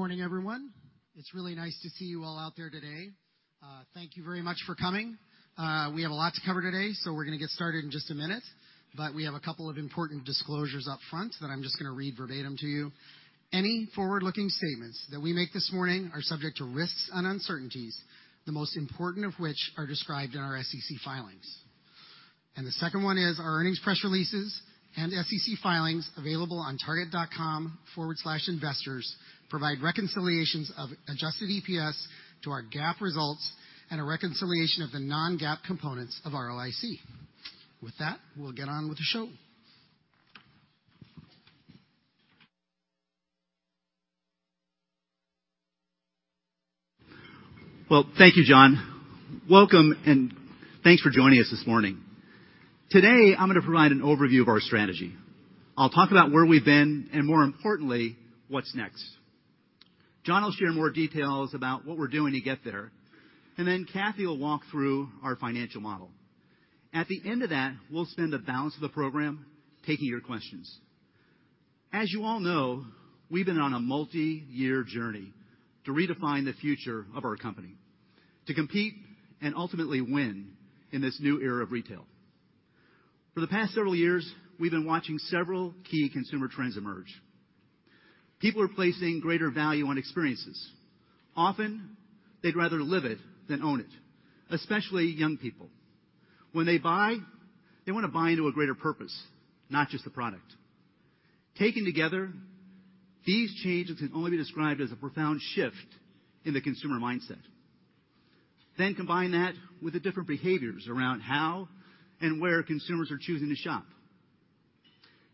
Morning, everyone. It's really nice to see you all out there today. Thank you very much for coming. We have a lot to cover today, so we're going to get started in just a minute, but we have a couple of important disclosures up front that I'm just going to read verbatim to you. Any forward-looking statements that we make this morning are subject to risks and uncertainties, the most important of which are described in our SEC filings. The second one is our earnings press releases and SEC filings available on target.com/investors provide reconciliations of adjusted EPS to our GAAP results and a reconciliation of the non-GAAP components of ROIC. With that, we'll get on with the show. Well, thank you, John. Welcome and thanks for joining us this morning. Today, I'm going to provide an overview of our strategy. I'll talk about where we've been and more importantly, what's next. John will share more details about what we're doing to get there, and then Cathy will walk through our financial model. At the end of that, we'll spend the balance of the program taking your questions. As you all know, we've been on a multi-year journey to redefine the future of our company, to compete and ultimately win in this new era of retail. For the past several years, we've been watching several key consumer trends emerge. People are placing greater value on experiences. Often, they'd rather live it than own it, especially young people. When they buy, they want to buy into a greater purpose, not just the product. Taken together, these changes can only be described as a profound shift in the consumer mindset. Combine that with the different behaviors around how and where consumers are choosing to shop.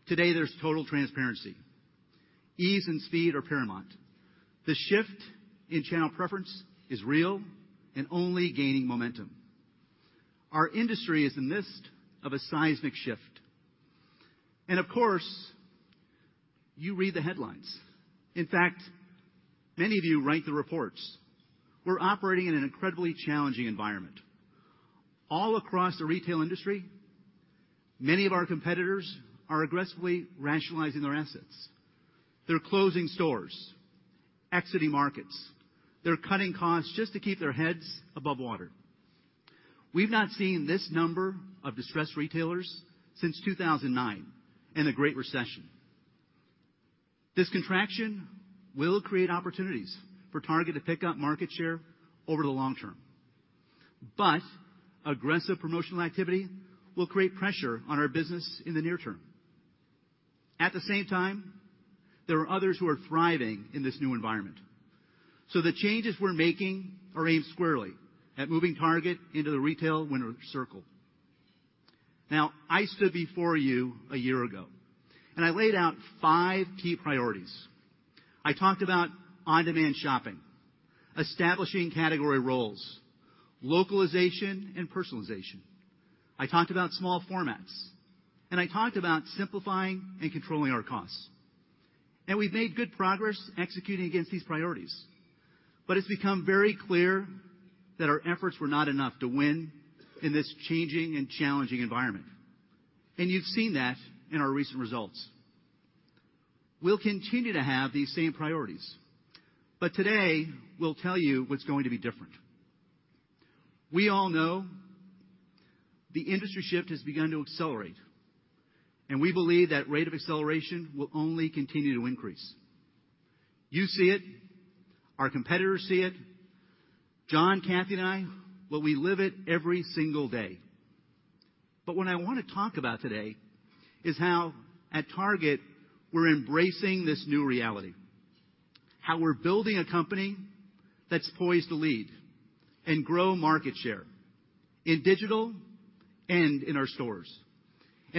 Today, there's total transparency. Ease and speed are paramount. The shift in channel preference is real and only gaining momentum. Our industry is in the midst of a seismic shift. Of course, you read the headlines. In fact, many of you write the reports. We're operating in an incredibly challenging environment. All across the retail industry, many of our competitors are aggressively rationalizing their assets. They're closing stores, exiting markets. They're cutting costs just to keep their heads above water. We've not seen this number of distressed retailers since 2009 and the Great Recession. This contraction will create opportunities for Target to pick up market share over the long term. Aggressive promotional activity will create pressure on our business in the near term. At the same time, there are others who are thriving in this new environment. The changes we're making are aimed squarely at moving Target into the retail winner circle. Now, I stood before you a year ago and I laid out five key priorities. I talked about on-demand shopping, establishing category roles, localization and personalization. I talked about small formats, and I talked about simplifying and controlling our costs. We've made good progress executing against these priorities. It's become very clear that our efforts were not enough to win in this changing and challenging environment. You've seen that in our recent results. We'll continue to have these same priorities, but today, we'll tell you what's going to be different. We all know the industry shift has begun to accelerate. We believe that rate of acceleration will only continue to increase. You see it. Our competitors see it. John, Cathy, and I, well, we live it every single day. What I want to talk about today is how at Target, we're embracing this new reality, how we're building a company that's poised to lead and grow market share in digital and in our stores,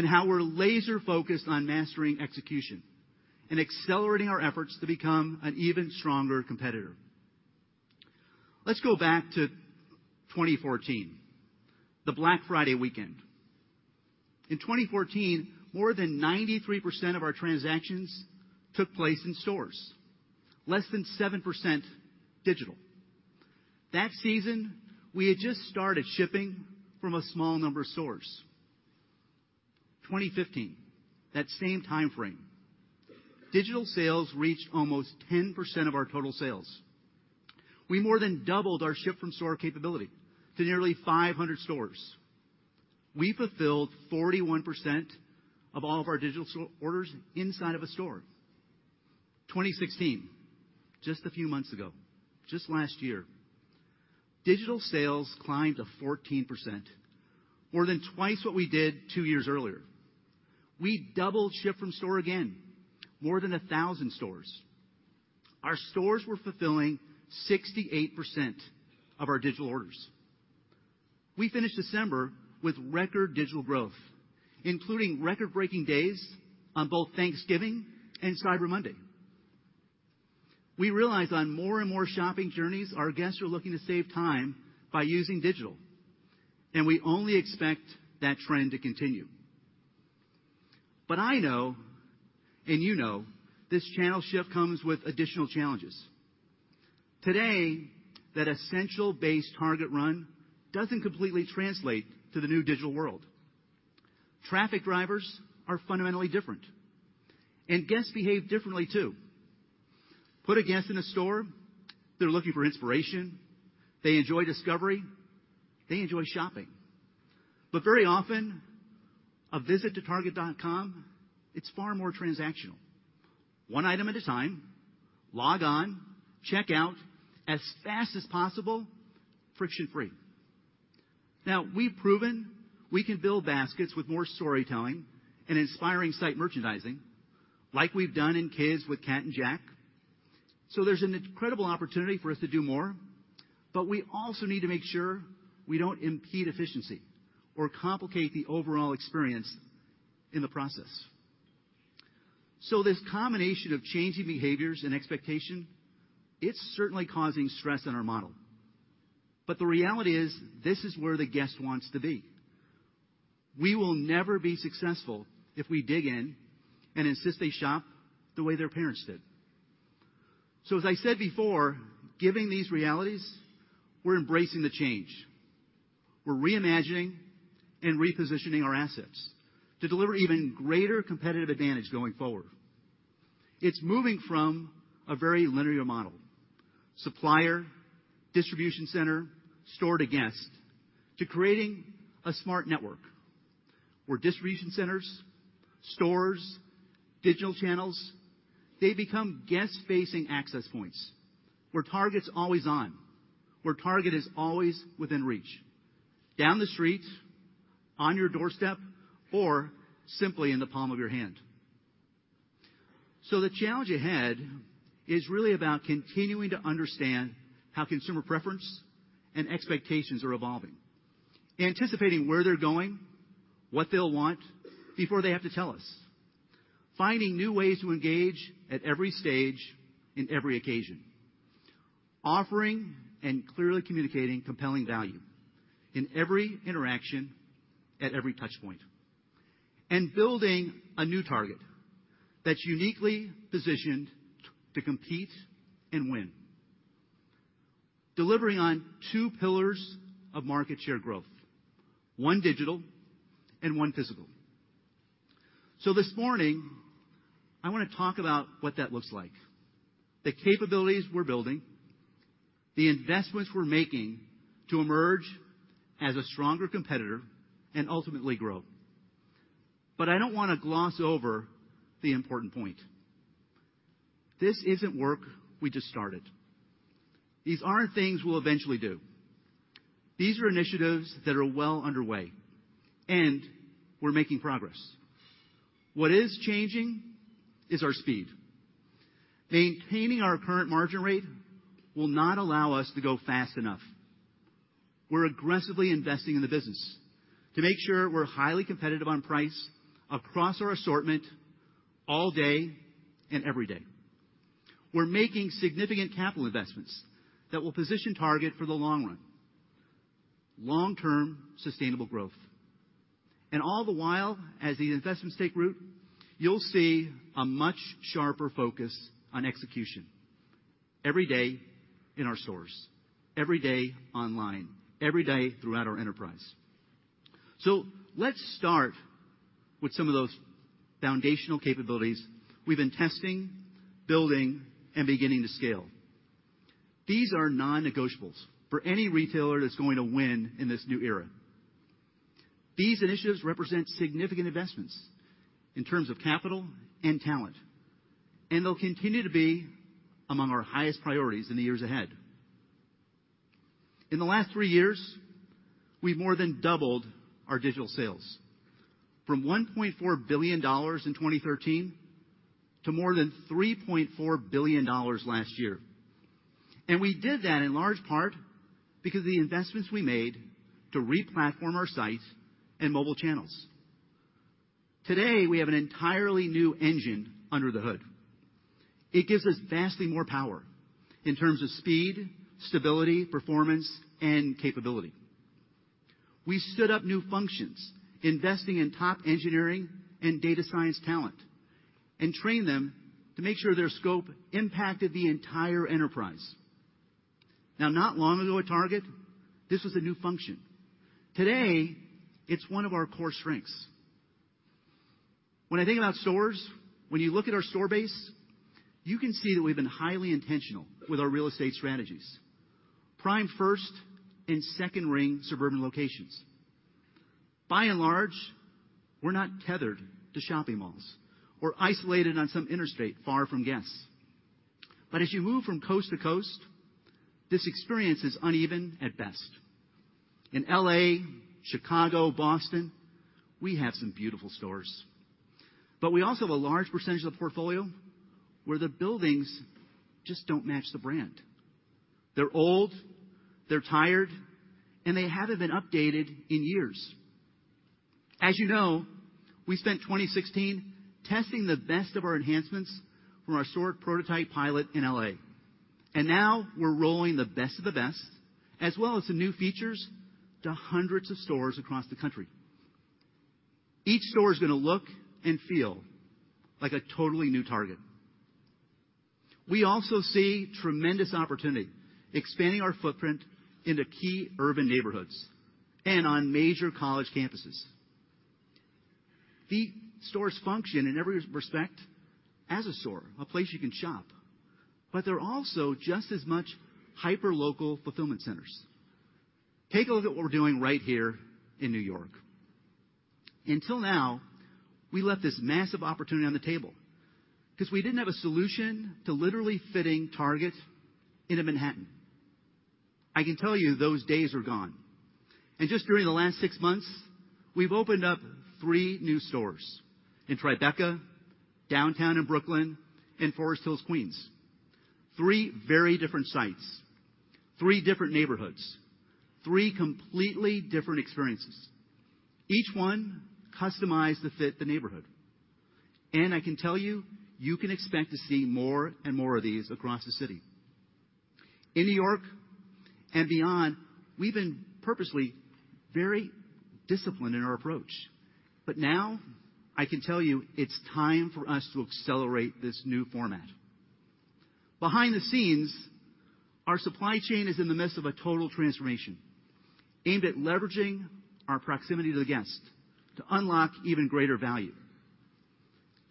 how we're laser-focused on mastering execution and accelerating our efforts to become an even stronger competitor. Let's go back to 2014, the Black Friday weekend. In 2014, more than 93% of our transactions took place in stores, less than 7% digital. That season, we had just started shipping from a small number of stores. 2015, that same timeframe, digital sales reached almost 10% of our total sales. We more than doubled our ship-from-store capability to nearly 500 stores. We fulfilled 41% of all of our digital store orders inside of a store. 2016, just a few months ago, just last year, digital sales climbed to 14%, more than twice what we did two years earlier. We doubled ship-from-store again, more than 1,000 stores. Our stores were fulfilling 68% of our digital orders. We finished December with record digital growth, including record-breaking days on both Thanksgiving and Cyber Monday. We realized on more and more shopping journeys, our guests are looking to save time by using digital. We only expect that trend to continue. I know and you know this channel shift comes with additional challenges. Today, that essential base Target run doesn't completely translate to the new digital world. Traffic drivers are fundamentally different. Guests behave differently too. Put a guest in a store, they're looking for inspiration, they enjoy discovery, they enjoy shopping. Very often, a visit to target.com, it's far more transactional. One item at a time, log on, check out as fast as possible, friction-free. Now, we've proven we can build baskets with more storytelling and inspiring site merchandising, like we've done in Kids with Cat & Jack. There's an incredible opportunity for us to do more. We also need to make sure we don't impede efficiency or complicate the overall experience in the process. This combination of changing behaviors and expectation, it's certainly causing stress in our model. The reality is, this is where the guest wants to be. We will never be successful if we dig in and insist they shop the way their parents did. As I said before, given these realities, we're embracing the change. We're reimagining and repositioning our assets to deliver even greater competitive advantage going forward. It's moving from a very linear model, supplier, distribution center, store to guest, to creating a smart network where distribution centers, stores, digital channels, they become guest-facing access points, where Target's always on, where Target is always within reach, down the street, on your doorstep, or simply in the palm of your hand. The challenge ahead is really about continuing to understand how consumer preference and expectations are evolving. Anticipating where they're going, what they'll want before they have to tell us. Finding new ways to engage at every stage, in every occasion. Offering and clearly communicating compelling value in every interaction, at every touch point. Building a new Target that's uniquely positioned to compete and win. Delivering on two pillars of market share growth, one digital and one physical. This morning, I want to talk about what that looks like, the capabilities we're building, the investments we're making to emerge as a stronger competitor and ultimately grow. I don't want to gloss over the important point. This isn't work we just started. These aren't things we'll eventually do. These are initiatives that are well underway, and we're making progress. What is changing is our speed. Maintaining our current margin rate will not allow us to go fast enough. We're aggressively investing in the business to make sure we're highly competitive on price across our assortment, all day and every day. We're making significant capital investments that will position Target for the long run, long-term sustainable growth. All the while, as these investments take root, you'll see a much sharper focus on execution every day in our stores, every day online, every day throughout our enterprise. Let's start with some of those foundational capabilities we've been testing, building, and beginning to scale. These are non-negotiables for any retailer that's going to win in this new era. These initiatives represent significant investments in terms of capital and talent, and they'll continue to be among our highest priorities in the years ahead. In the last three years, we've more than doubled our digital sales from $1.4 billion in 2013 to more than $3.4 billion last year. We did that in large part because of the investments we made to replatform our sites and mobile channels. Today, we have an entirely new engine under the hood. It gives us vastly more power in terms of speed, stability, performance, and capability. We stood up new functions, investing in top engineering and data science talent, and trained them to make sure their scope impacted the entire enterprise. Not long ago at Target, this was a new function. Today, it's one of our core strengths. When I think about stores, when you look at our store base, you can see that we've been highly intentional with our real estate strategies. Prime first and second ring suburban locations. By and large, we're not tethered to shopping malls or isolated on some interstate far from guests. As you move from coast to coast, this experience is uneven at best. In L.A., Chicago, Boston, we have some beautiful stores. We also have a large percentage of the portfolio where the buildings just don't match the brand. They're old, they're tired, and they haven't been updated in years. As you know, we spent 2016 testing the best of our enhancements from our store prototype pilot in L.A. Now we're rolling the best of the best, as well as some new features to hundreds of stores across the country. Each store is going to look and feel like a totally new Target. We also see tremendous opportunity expanding our footprint into key urban neighborhoods and on major college campuses. These stores function in every respect as a store, a place you can shop. They're also just as much hyper-local fulfillment centers. Take a look at what we're doing right here in New York. Until now, we left this massive opportunity on the table because we didn't have a solution to literally fitting Target into Manhattan. I can tell you those days are gone. Just during the last six months, we've opened up three new stores in Tribeca, Downtown in Brooklyn, and Forest Hills, Queens. Three very different sites, three different neighborhoods, three completely different experiences. Each one customized to fit the neighborhood. I can tell you can expect to see more and more of these across the city. In N.Y. and beyond, we've been purposely very disciplined in our approach. Now I can tell you it's time for us to accelerate this new format. Behind the scenes, our supply chain is in the midst of a total transformation aimed at leveraging our proximity to the guest to unlock even greater value.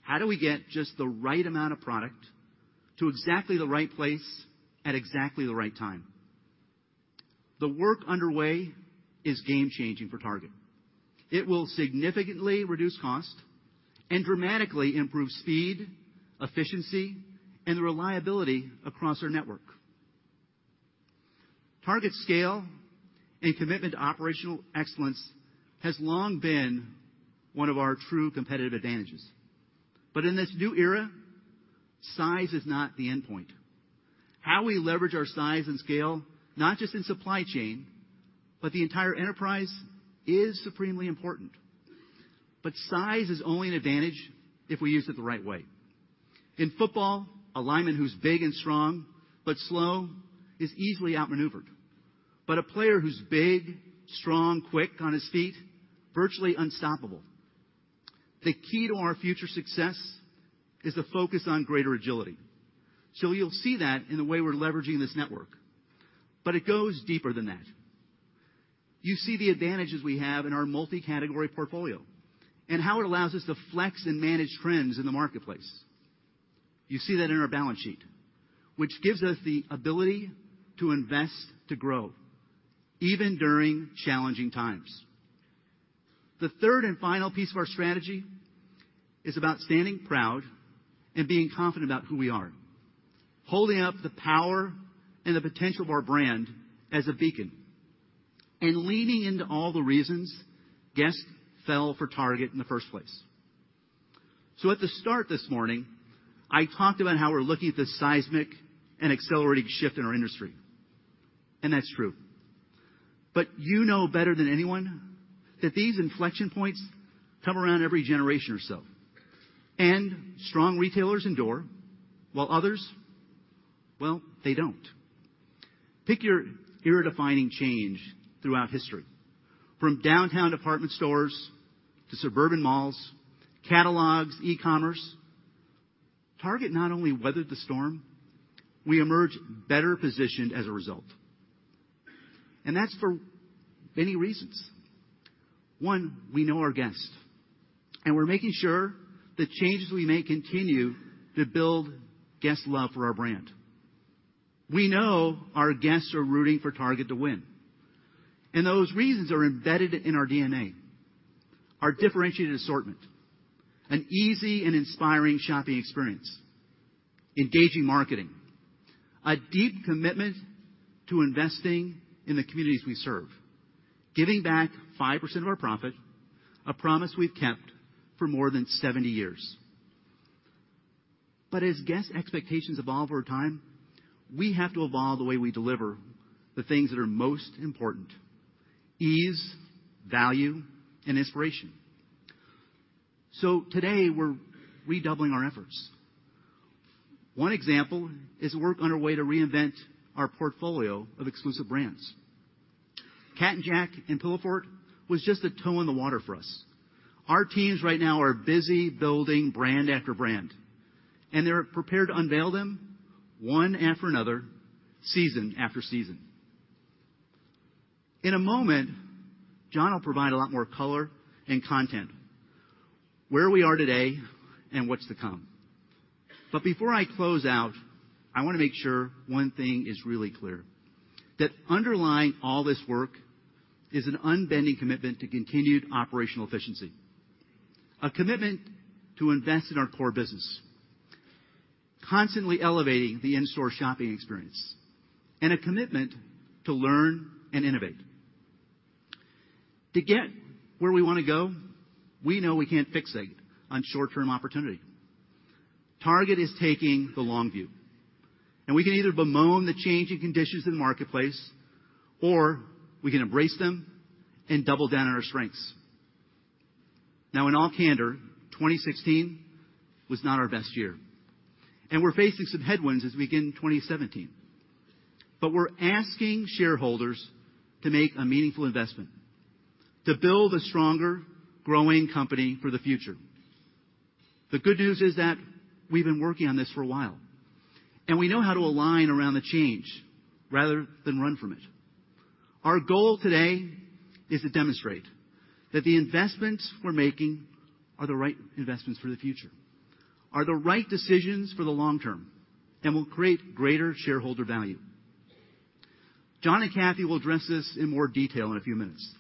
How do we get just the right amount of product to exactly the right place at exactly the right time? The work underway is game-changing for Target. It will significantly reduce cost and dramatically improve speed, efficiency, and the reliability across our network. Target's scale and commitment to operational excellence has long been one of our true competitive advantages. In this new era, size is not the endpoint. How we leverage our size and scale, not just in supply chain but the entire enterprise, is supremely important. Size is only an advantage if we use it the right way. In football, a lineman who's big and strong but slow is easily outmaneuvered. A player who's big, strong, quick on his feet, virtually unstoppable. The key to our future success is the focus on greater agility. You'll see that in the way we're leveraging this network. It goes deeper than that. You see the advantages we have in our multi-category portfolio and how it allows us to flex and manage trends in the marketplace. You see that in our balance sheet, which gives us the ability to invest, to grow, even during challenging times. The third and final piece of our strategy is about standing proud and being confident about who we are, holding up the power and the potential of our brand as a beacon and leaning into all the reasons guests fell for Target in the first place. At the start this morning, I talked about how we're looking at this seismic and accelerating shift in our industry, and that's true. You know better than anyone that these inflection points come around every generation or so. Strong retailers endure, while others, well, they don't. Pick your era-defining change throughout history, from downtown department stores to suburban malls, catalogs, e-commerce. Target not only weathered the storm, we emerge better positioned as a result. That's for many reasons. One, we know our guest, and we're making sure the changes we make continue to build guest love for our brand. We know our guests are rooting for Target to win, and those reasons are embedded in our DNA, our differentiated assortment, an easy and inspiring shopping experience, engaging marketing, a deep commitment to investing in the communities we serve, giving back 5% of our profit, a promise we've kept for more than 70 years. As guests' expectations evolve over time, we have to evolve the way we deliver the things that are most important: ease, value, and inspiration. Today, we're redoubling our efforts. One example is the work underway to reinvent our portfolio of exclusive brands. Cat & Jack and Pillowfort was just a toe in the water for us. Our teams right now are busy building brand after brand, and they're prepared to unveil them one after another, season after season. In a moment, John will provide a lot more color and content, where we are today and what's to come. Before I close out, I want to make sure one thing is really clear, that underlying all this work is an unbending commitment to continued operational efficiency, a commitment to invest in our core business, constantly elevating the in-store shopping experience, and a commitment to learn and innovate. To get where we want to go, we know we can't fixate on short-term opportunity. Target is taking the long view, we can either bemoan the changing conditions in the marketplace, or we can embrace them and double down on our strengths. In all candor, 2016 was not our best year, and we're facing some headwinds as we begin 2017. We're asking shareholders to make a meaningful investment to build a stronger, growing company for the future. The good news is that we've been working on this for a while, and we know how to align around the change rather than run from it. Our goal today is to demonstrate that the investments we're making are the right investments for the future, are the right decisions for the long term, and will create greater shareholder value. John and Cathy will address this in more detail in a few minutes.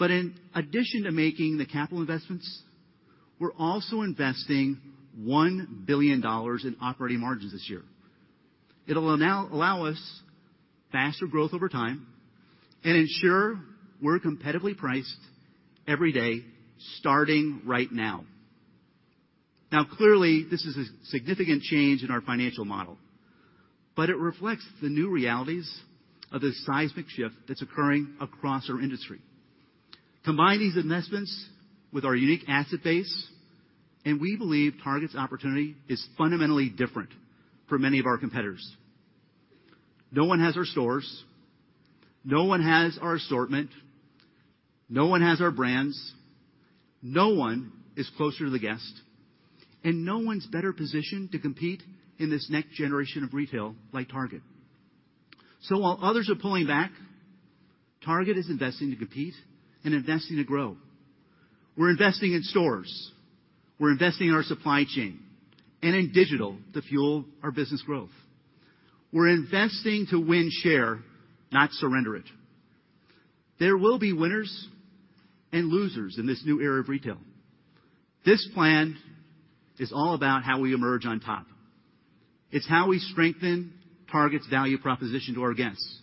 In addition to making the capital investments, we're also investing $1 billion in operating margins this year. It'll allow us faster growth over time and ensure we're competitively priced every day, starting right now. Clearly, this is a significant change in our financial model, but it reflects the new realities of the seismic shift that's occurring across our industry. Combine these investments with our unique asset base, and we believe Target's opportunity is fundamentally different from many of our competitors. No one has our stores, no one has our assortment, no one has our brands, no one is closer to the guest, and no one's better positioned to compete in this next generation of retail like Target. While others are pulling back, Target is investing to compete and investing to grow. We're investing in stores, we're investing in our supply chain, and in digital to fuel our business growth. We're investing to win share, not surrender it. There will be winners and losers in this new era of retail. This plan is all about how we emerge on top. It's how we strengthen Target's value proposition to our guests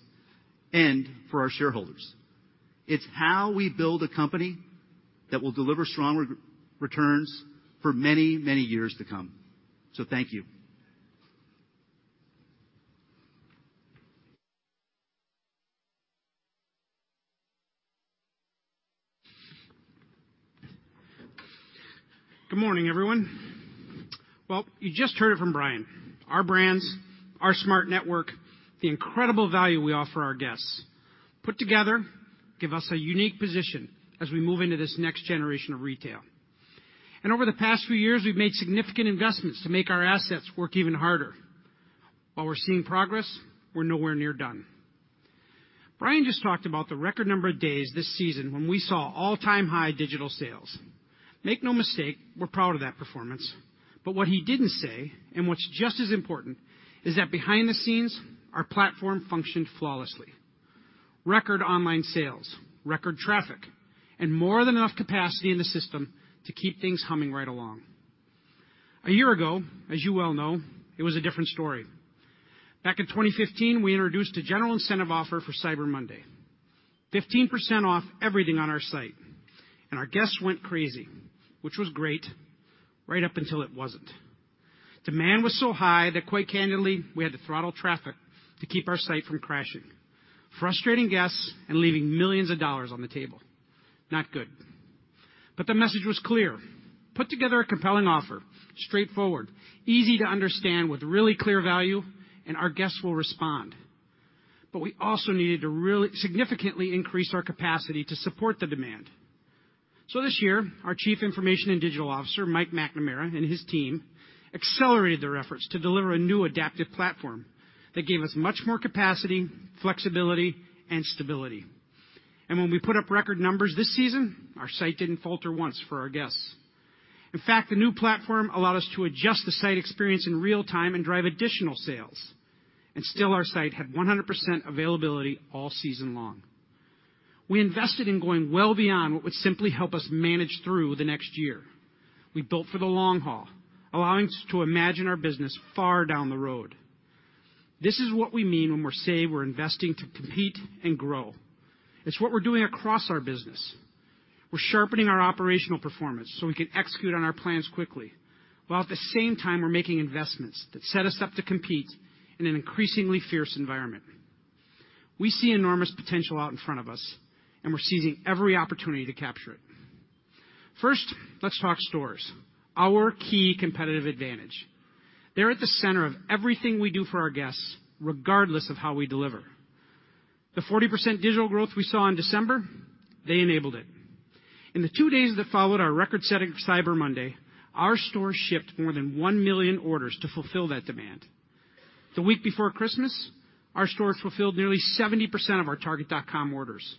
and for our shareholders. It's how we build a company that will deliver strong returns for many, many years to come. Thank you. Good morning, everyone. Well, you just heard it from Brian. Our brands, our smart network, the incredible value we offer our guests, put together, give us a unique position as we move into this next generation of retail. Over the past few years, we've made significant investments to make our assets work even harder. While we're seeing progress, we're nowhere near done. Brian just talked about the record number of days this season when we saw all-time high digital sales. Make no mistake, we're proud of that performance. What he didn't say, and what's just as important, is that behind the scenes, our platform functioned flawlessly. Record online sales, record traffic, and more than enough capacity in the system to keep things humming right along. A year ago, as you well know, it was a different story. Back in 2015, we introduced a general incentive offer for Cyber Monday, 15% off everything on our site, and our guests went crazy, which was great right up until it wasn't. Demand was so high that, quite candidly, we had to throttle traffic to keep our site from crashing, frustrating guests and leaving millions of dollars on the table. Not good. The message was clear. Put together a compelling offer, straightforward, easy to understand with really clear value, and our guests will respond. We also needed to really significantly increase our capacity to support the demand. This year, our Chief Information and Digital Officer, Mike McNamara, and his team accelerated their efforts to deliver a new adaptive platform that gave us much more capacity, flexibility, and stability. When we put up record numbers this season, our site didn't falter once for our guests. In fact, the new platform allowed us to adjust the site experience in real time and drive additional sales. Still, our site had 100% availability all season long. We invested in going well beyond what would simply help us manage through the next year. We built for the long haul, allowing us to imagine our business far down the road. This is what we mean when we say we're investing to compete and grow. It's what we're doing across our business. We're sharpening our operational performance so we can execute on our plans quickly, while at the same time, we're making investments that set us up to compete in an increasingly fierce environment. We see enormous potential out in front of us, and we're seizing every opportunity to capture it. First, let's talk stores, our key competitive advantage. They're at the center of everything we do for our guests, regardless of how we deliver. The 40% digital growth we saw in December, they enabled it. In the 2 days that followed our record-setting Cyber Monday, our stores shipped more than 1 million orders to fulfill that demand. The week before Christmas, our stores fulfilled nearly 70% of our target.com orders.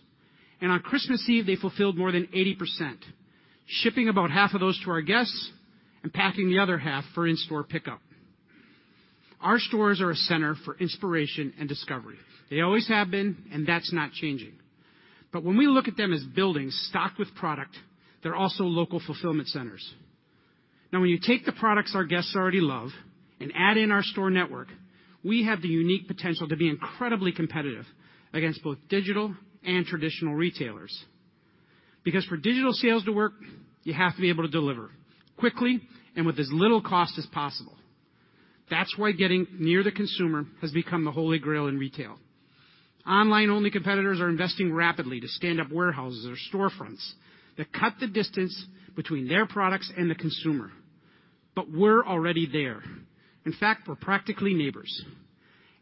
On Christmas Eve, they fulfilled more than 80%, shipping about half of those to our guests and packing the other half for in-store pickup. Our stores are a center for inspiration and discovery. They always have been, and that's not changing. When we look at them as buildings stocked with product, they're also local fulfillment centers. Now, when you take the products our guests already love and add in our store network, we have the unique potential to be incredibly competitive against both digital and traditional retailers. Because for digital sales to work, you have to be able to deliver quickly and with as little cost as possible. That's why getting near the consumer has become the Holy Grail in retail. Online-only competitors are investing rapidly to stand up warehouses or storefronts that cut the distance between their products and the consumer. We're already there. In fact, we're practically neighbors.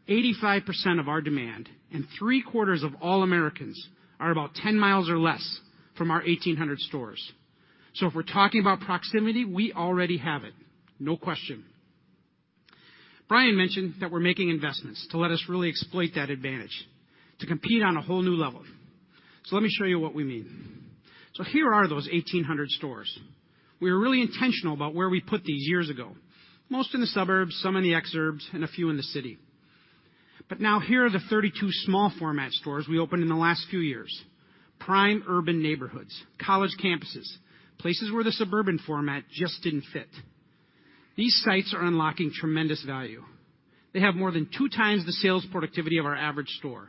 85% of our demand and three-quarters of all Americans are about 10 miles or less from our 1,800 stores. If we're talking about proximity, we already have it, no question. Brian mentioned that we're making investments to let us really exploit that advantage, to compete on a whole new level. Let me show you what we mean. Here are those 1,800 stores. We were really intentional about where we put these years ago, most in the suburbs, some in the exurbs, and a few in the city. Now here are the 32 small format stores we opened in the last few years, prime urban neighborhoods, college campuses, places where the suburban format just didn't fit. These sites are unlocking tremendous value. They have more than two times the sales productivity of our average store.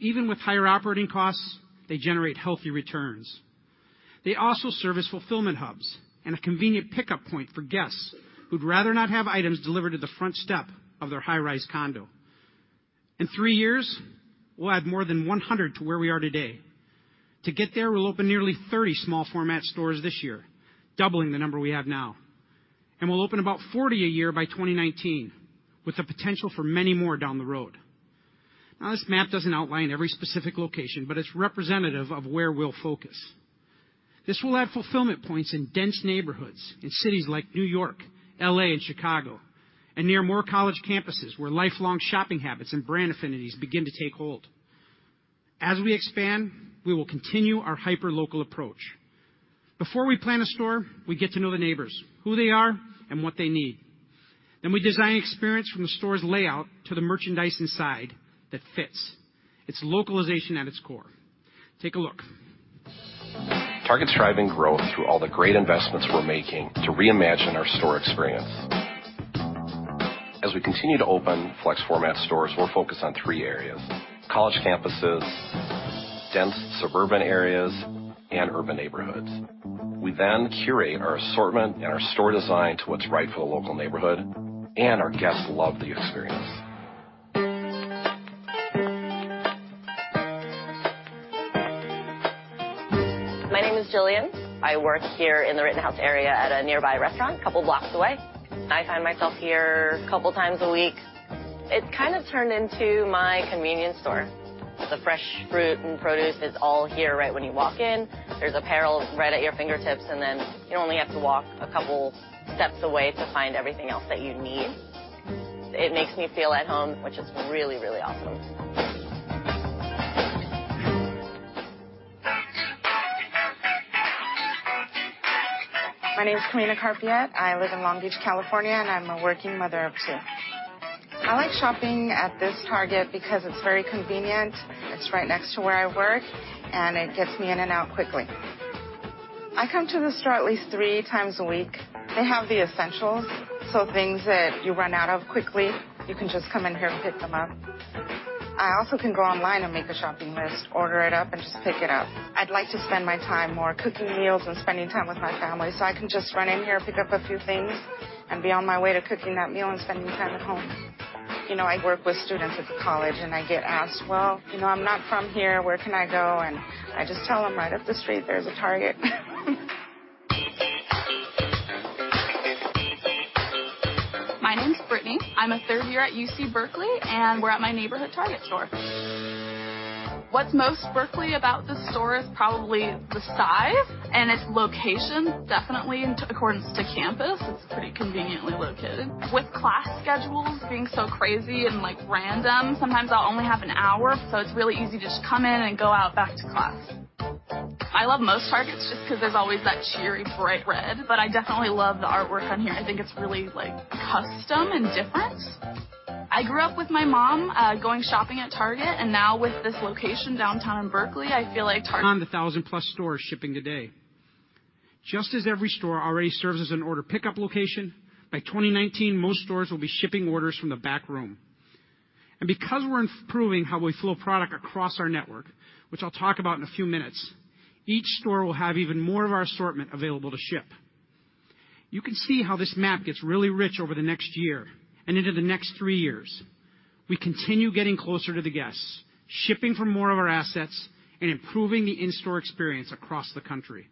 Even with higher operating costs, they generate healthy returns. They also serve as fulfillment hubs and a convenient pickup point for guests who'd rather not have items delivered to the front step of their high-rise condo. In three years, we'll add more than 100 to where we are today. To get there, we'll open nearly 30 small format stores this year, doubling the number we have now, and we'll open about 40 a year by 2019, with the potential for many more down the road. Now, this map doesn't outline every specific location, but it's representative of where we'll focus. This will add fulfillment points in dense neighborhoods in cities like New York, L.A., and Chicago, and near more college campuses where lifelong shopping habits and brand affinities begin to take hold. As we expand, we will continue our hyperlocal approach. Before we plan a store, we get to know the neighbors, who they are, and what they need. We design an experience from the store's layout to the merchandise inside that fits. It's localization at its core. Take a look. Target's driving growth through all the great investments we're making to reimagine our store experience. As we continue to open flex format stores, we're focused on three areas: college campuses, dense suburban areas, and urban neighborhoods. We then curate our assortment and our store design to what's right for the local neighborhood, and our guests love the experience. My name is Jillian. I work here in the Rittenhouse area at a nearby restaurant, a couple of blocks away. I find myself here a couple of times a week. It kind of turned into my convenience store. The fresh fruit and produce is all here right when you walk in. There's apparel right at your fingertips, and then you only have to walk a couple steps away to find everything else that you need. It makes me feel at home, which is really, really awesome. My name is Kalina Karpiet. I live in Long Beach, California, and I'm a working mother of two. I like shopping at this Target because it's very convenient. It's right next to where I work, and it gets me in and out quickly. I come to the store at least three times a week. They have the essentials, so things that you run out of quickly, you can just come in here and pick them up. I also can go online and make a shopping list, order it up, and just pick it up. I'd like to spend my time more cooking meals and spending time with my family, so I can just run in here, pick up a few things, and be on my way to cooking that meal and spending time at home. I work with students at the college, I get asked, "Well, I'm not from here. Where can I go?" I just tell them, "Right up the street, there's a Target. My name's Brittany. I'm a third year at UC Berkeley, we're at my neighborhood Target store. What's most Berkeley about this store is probably the size and its location, definitely in accordance to campus. It's pretty conveniently located. With class schedules being so crazy and random, sometimes I'll only have an hour, it's really easy to just come in and go out back to class. I love most Targets just because there's always that cheery bright red, I definitely love the artwork on here. I think it's really custom and different. I grew up with my mom, going shopping at Target, now with this location downtown Berkeley, I feel like Target. On the 1,000-plus stores shipping today. Just as every store already serves as an order pickup location, by 2019, most stores will be shipping orders from the back room. Because we're improving how we flow product across our network, which I'll talk about in a few minutes, each store will have even more of our assortment available to ship. You can see how this map gets really rich over the next year and into the next three years. We continue getting closer to the guests, shipping from more of our assets, and improving the in-store experience across the country.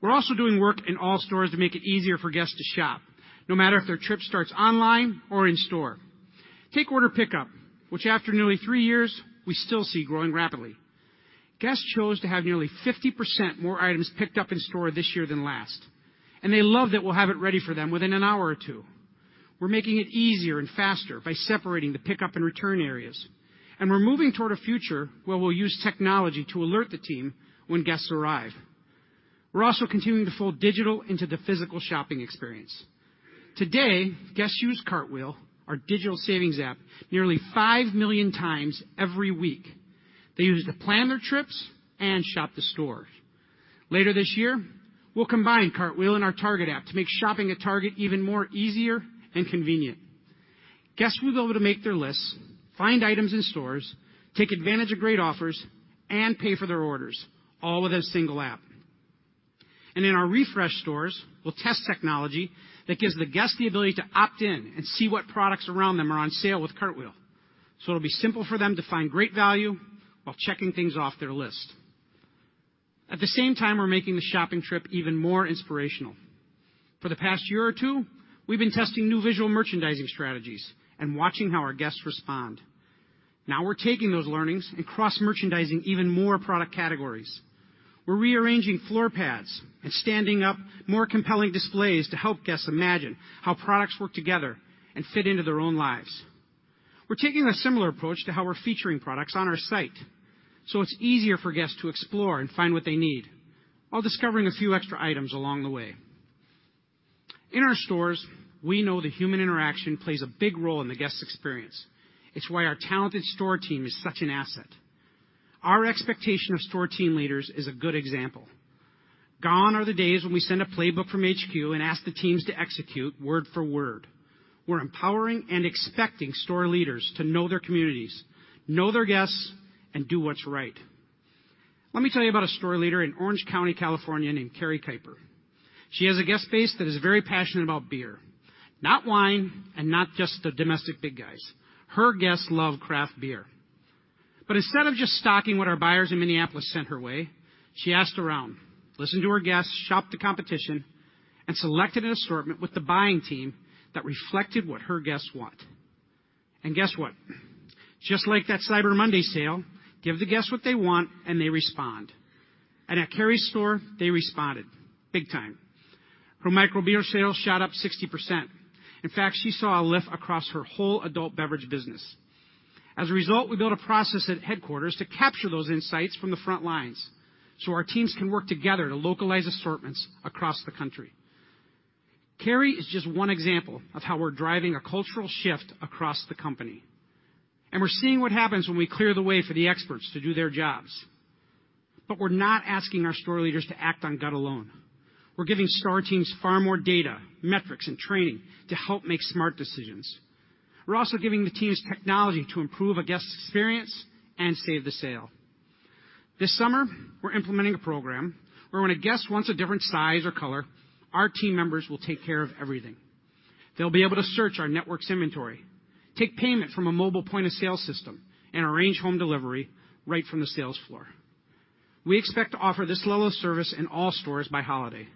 We're also doing work in all stores to make it easier for guests to shop, no matter if their trip starts online or in-store. Take order pickup, which after nearly three years, we still see growing rapidly. Guests chose to have nearly 50% more items picked up in store this year than last, and they love that we'll have it ready for them within an hour or two. We're making it easier and faster by separating the pickup and return areas, and we're moving toward a future where we'll use technology to alert the team when guests arrive. We're also continuing to fold digital into the physical shopping experience. Today, guests use Cartwheel, our digital savings app, nearly 5 million times every week. They use it to plan their trips and shop the store. Later this year, we'll combine Cartwheel and our Target app to make shopping at Target even more easier and convenient. Guests will be able to make their lists, find items in stores, take advantage of great offers, and pay for their orders, all with a single app. In our refreshed stores, we'll test technology that gives the guest the ability to opt in and see what products around them are on sale with Cartwheel. It'll be simple for them to find great value while checking things off their list. At the same time, we're making the shopping trip even more inspirational. For the past year or two, we've been testing new visual merchandising strategies and watching how our guests respond. Now we're taking those learnings and cross-merchandising even more product categories. We're rearranging floor pads and standing up more compelling displays to help guests imagine how products work together and fit into their own lives. We're taking a similar approach to how we're featuring products on our site, so it's easier for guests to explore and find what they need while discovering a few extra items along the way. In our stores, we know that human interaction plays a big role in the guest experience. It's why our talented store team is such an asset. Our expectation of store team leaders is a good example. Gone are the days when we send a playbook from HQ and ask the teams to execute word for word. We're empowering and expecting store leaders to know their communities, know their guests, and do what's right. Let me tell you about a store leader in Orange County, California, named Carrie Kiper. She has a guest base that is very passionate about beer, not wine, and not just the domestic big guys. Her guests love craft beer. Instead of just stocking what our buyers in Minneapolis sent her way, she asked around, listened to her guests, shopped the competition, and selected an assortment with the buying team that reflected what her guests want. Guess what? Just like that Cyber Monday sale, give the guests what they want, and they respond. At Carrie's store, they responded big time. Her microbrew beer sales shot up 60%. In fact, she saw a lift across her whole adult beverage business. As a result, we built a process at headquarters to capture those insights from the front lines so our teams can work together to localize assortments across the country. Carrie is just one example of how we're driving a cultural shift across the company. We're seeing what happens when we clear the way for the experts to do their jobs. We're not asking our store leaders to act on gut alone. We're giving star teams far more data, metrics, and training to help make smart decisions. We're also giving the teams technology to improve a guest's experience and save the sale. This summer, we're implementing a program where when a guest wants a different size or color, our team members will take care of everything. They'll be able to search our network's inventory, take payment from a mobile point-of-sale system, and arrange home delivery right from the sales floor. We expect to offer this level of service in all stores by holiday.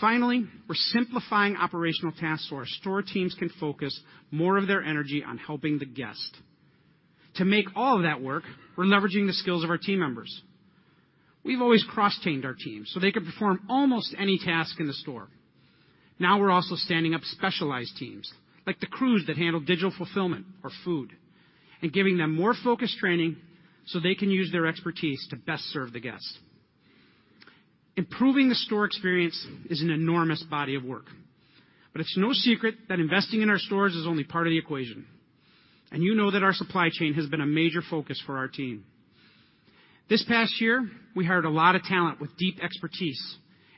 Finally, we're simplifying operational tasks so our store teams can focus more of their energy on helping the guest. To make all of that work, we're leveraging the skills of our team members. We've always cross-trained our teams so they could perform almost any task in the store. Now we're also standing up specialized teams, like the crews that handle digital fulfillment or food, and giving them more focused training so they can use their expertise to best serve the guest. Improving the store experience is an enormous body of work, but it's no secret that investing in our stores is only part of the equation. You know that our supply chain has been a major focus for our team. This past year, we hired a lot of talent with deep expertise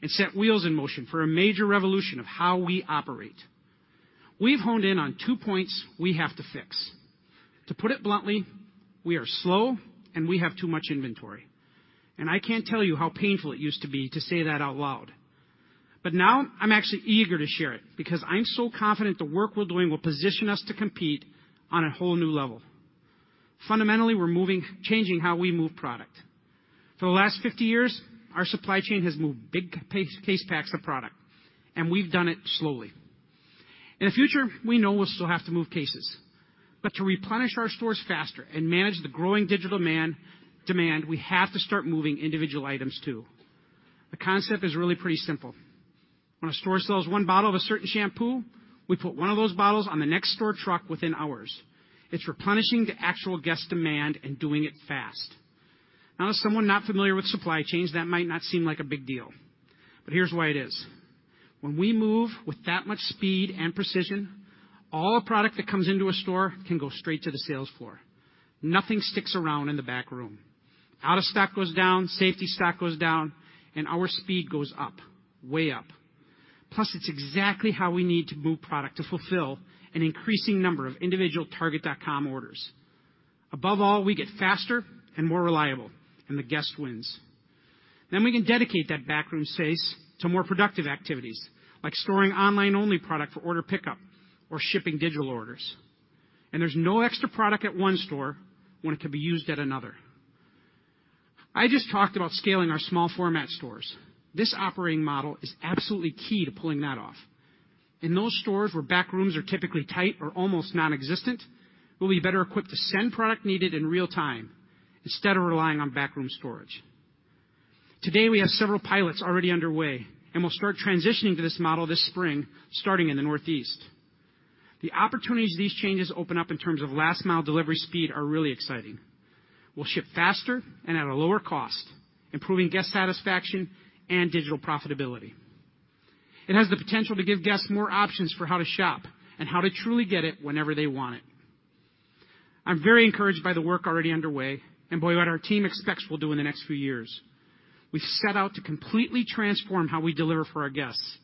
and set wheels in motion for a major revolution of how we operate. We've honed in on two points we have to fix. To put it bluntly, we are slow, and we have too much inventory. I can't tell you how painful it used to be to say that out loud. Now I'm actually eager to share it because I'm so confident the work we're doing will position us to compete on a whole new level. Fundamentally, we're changing how we move product. For the last 50 years, our supply chain has moved big case packs of product, and we've done it slowly. In the future, we know we'll still have to move cases, but to replenish our stores faster and manage the growing digital demand, we have to start moving individual items too. The concept is really pretty simple. When a store sells one bottle of a certain shampoo, we put one of those bottles on the next store truck within hours. It's replenishing the actual guest demand and doing it fast. As someone not familiar with supply chains, that might not seem like a big deal, but here's why it is. When we move with that much speed and precision, all a product that comes into a store can go straight to the sales floor. Nothing sticks around in the back room. Out of stock goes down, safety stock goes down, our speed goes up, way up. It's exactly how we need to move product to fulfill an increasing number of individual target.com orders. We get faster and more reliable, the guest wins. We can dedicate that back room space to more productive activities, like storing online-only product for order pickup or shipping digital orders. There's no extra product at one store when it could be used at another. I just talked about scaling our small format stores. This operating model is absolutely key to pulling that off. In those stores where back rooms are typically tight or almost nonexistent, we'll be better equipped to send product needed in real time instead of relying on back room storage. Today, we have several pilots already underway, we'll start transitioning to this model this spring, starting in the Northeast. The opportunities these changes open up in terms of last-mile delivery speed are really exciting. We'll ship faster and at a lower cost, improving guest satisfaction and digital profitability. It has the potential to give guests more options for how to shop and how to truly get it whenever they want it. I'm very encouraged by the work already underway by what our team expects we'll do in the next few years. We've set out to completely transform how we deliver for our guests,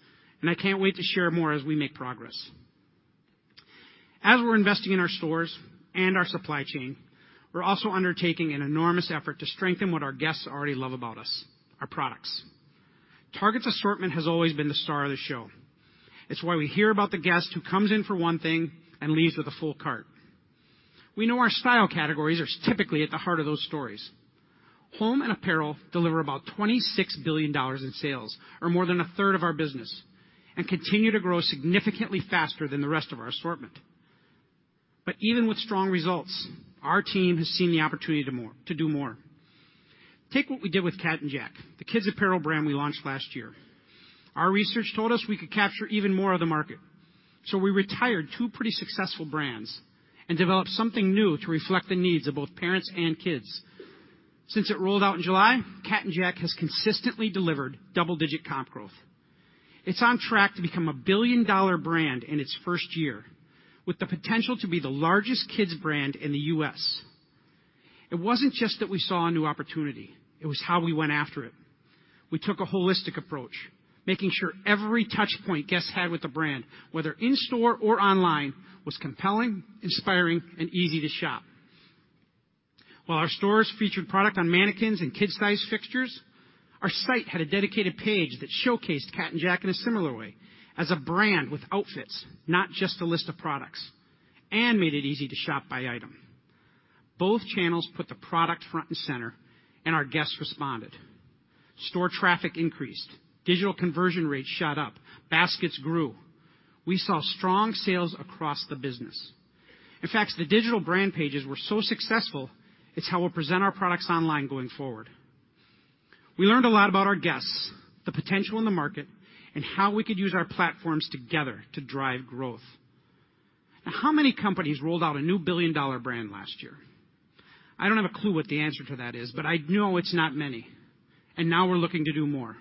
I can't wait to share more as we make progress. We're investing in our stores and our supply chain, we're also undertaking an enormous effort to strengthen what our guests already love about us, our products. Target's assortment has always been the star of the show. It's why we hear about the guest who comes in for one thing and leaves with a full cart. We know our style categories are typically at the heart of those stories. Home and apparel deliver about $26 billion in sales, or more than a third of our business, continue to grow significantly faster than the rest of our assortment. Even with strong results, our team has seen the opportunity to do more. Take what we did with Cat & Jack, the kids' apparel brand we launched last year. Our research told us we could capture even more of the market, we retired two pretty successful brands developed something new to reflect the needs of both parents and kids. Since it rolled out in July, Cat & Jack has consistently delivered double-digit comp growth. It's on track to become a billion-dollar brand in its first year, with the potential to be the largest kids' brand in the U.S. It wasn't just that we saw a new opportunity. It was how we went after it. We took a holistic approach, making sure every touchpoint guests had with the brand, whether in-store or online, was compelling, inspiring, and easy to shop. While our stores featured product on mannequins and kid-size fixtures, our site had a dedicated page that showcased Cat & Jack in a similar way, as a brand with outfits, not just a list of products, made it easy to shop by item. Both channels put the product front and center, our guests responded. Store traffic increased. Digital conversion rates shot up. Baskets grew. We saw strong sales across the business. In fact, the digital brand pages were so successful, it's how we'll present our products online going forward. We learned a lot about our guests, the potential in the market, and how we could use our platforms together to drive growth. How many companies rolled out a new billion-dollar brand last year? I don't have a clue what the answer to that is, but I know it's not many. Now we're looking to do more.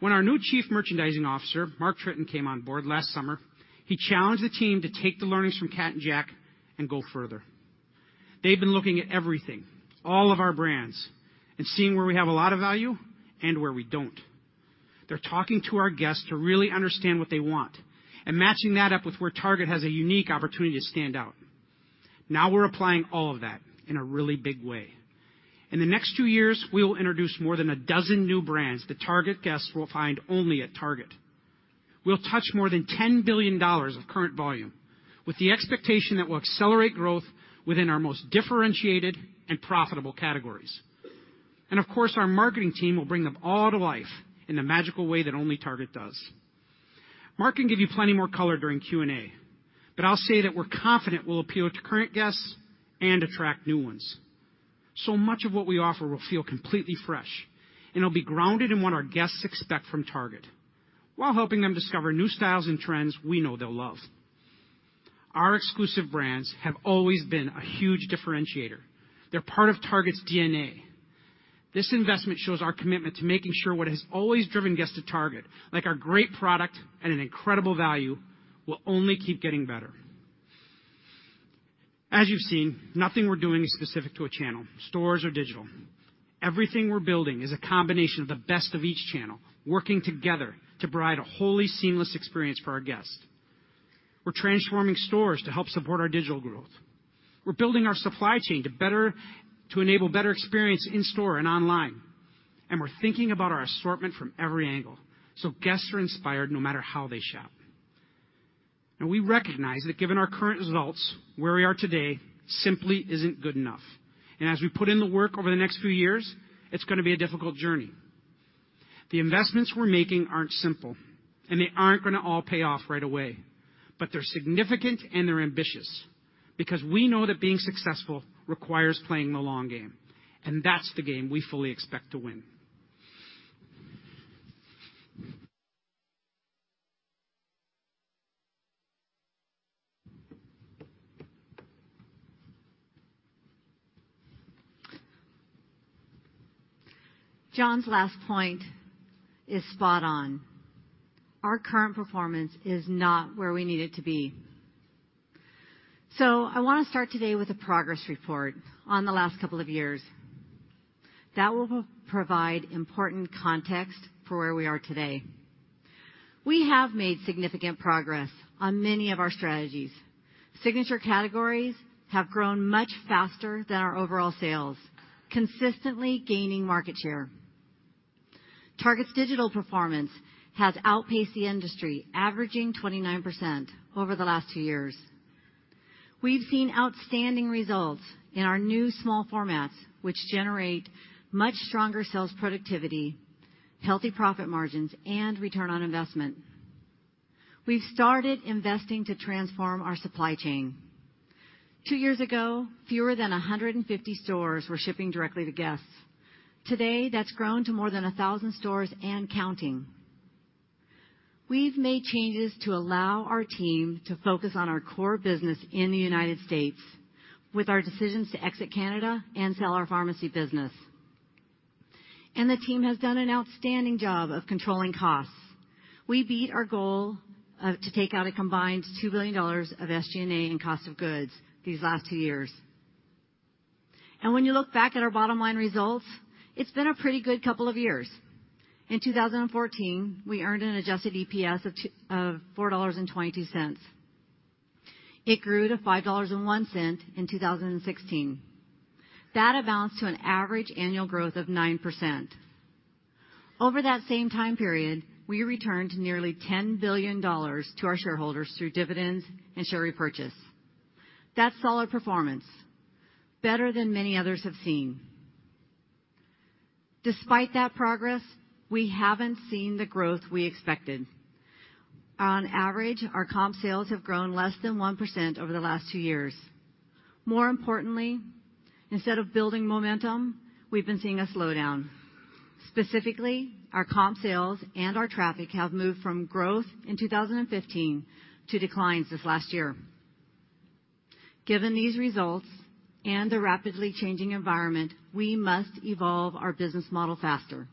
When our new Chief Merchandising Officer, Mark Tritton, came on board last summer, he challenged the team to take the learnings from Cat & Jack and go further. They've been looking at everything, all of our brands, and seeing where we have a lot of value and where we don't. They're talking to our guests to really understand what they want and matching that up with where Target has a unique opportunity to stand out. We're applying all of that in a really big way. In the next two years, we'll introduce more than a dozen new brands that Target guests will find only at Target. We'll touch more than $10 billion of current volume, with the expectation that we'll accelerate growth within our most differentiated and profitable categories. Of course, our marketing team will bring them all to life in the magical way that only Target does. Mark can give you plenty more color during Q&A, but I'll say that we're confident we'll appeal to current guests and attract new ones. Much of what we offer will feel completely fresh, and it'll be grounded in what our guests expect from Target while helping them discover new styles and trends we know they'll love. Our exclusive brands have always been a huge differentiator. They're part of Target's DNA. This investment shows our commitment to making sure what has always driven guests to Target, like our great product and an incredible value, will only keep getting better. As you've seen, nothing we're doing is specific to a channel, stores or digital. Everything we're building is a combination of the best of each channel working together to provide a wholly seamless experience for our guests. We're transforming stores to help support our digital growth. We're building our supply chain to enable better experience in-store and online. We're thinking about our assortment from every angle, so guests are inspired no matter how they shop. We recognize that given our current results, where we are today simply isn't good enough. As we put in the work over the next few years, it's gonna be a difficult journey. The investments we're making aren't simple, and they aren't gonna all pay off right away, but they're significant, and they're ambitious because we know that being successful requires playing the long game, and that's the game we fully expect to win. John's last point is spot on. Our current performance is not where we need it to be. I want to start today with a progress report on the last couple of years. That will provide important context for where we are today. We have made significant progress on many of our strategies. Signature categories have grown much faster than our overall sales, consistently gaining market share. Target's digital performance has outpaced the industry, averaging 29% over the last two years. We've seen outstanding results in our new small formats, which generate much stronger sales productivity, healthy profit margins, and return on investment. We've started investing to transform our supply chain. Two years ago, fewer than 150 stores were shipping directly to guests. Today, that's grown to more than 1,000 stores and counting. We've made changes to allow our team to focus on our core business in the U.S. with our decisions to exit Canada and sell our pharmacy business. The team has done an outstanding job of controlling costs. We beat our goal to take out a combined $2 billion of SG&A and cost of goods these last two years. When you look back at our bottom line results, it's been a pretty good couple of years. In 2014, we earned an adjusted EPS of $4.22. It grew to $5.01 in 2016. That amounts to an average annual growth of 9%. Over that same time period, we returned nearly $10 billion to our shareholders through dividends and share repurchase. That's solid performance, better than many others have seen. Despite that progress, we haven't seen the growth we expected. On average, our comp sales have grown less than 1% over the last two years. More importantly, instead of building momentum, we've been seeing a slowdown. Specifically, our comp sales and our traffic have moved from growth in 2015 to declines this last year. Given these results and the rapidly changing environment, we must evolve our business model faster.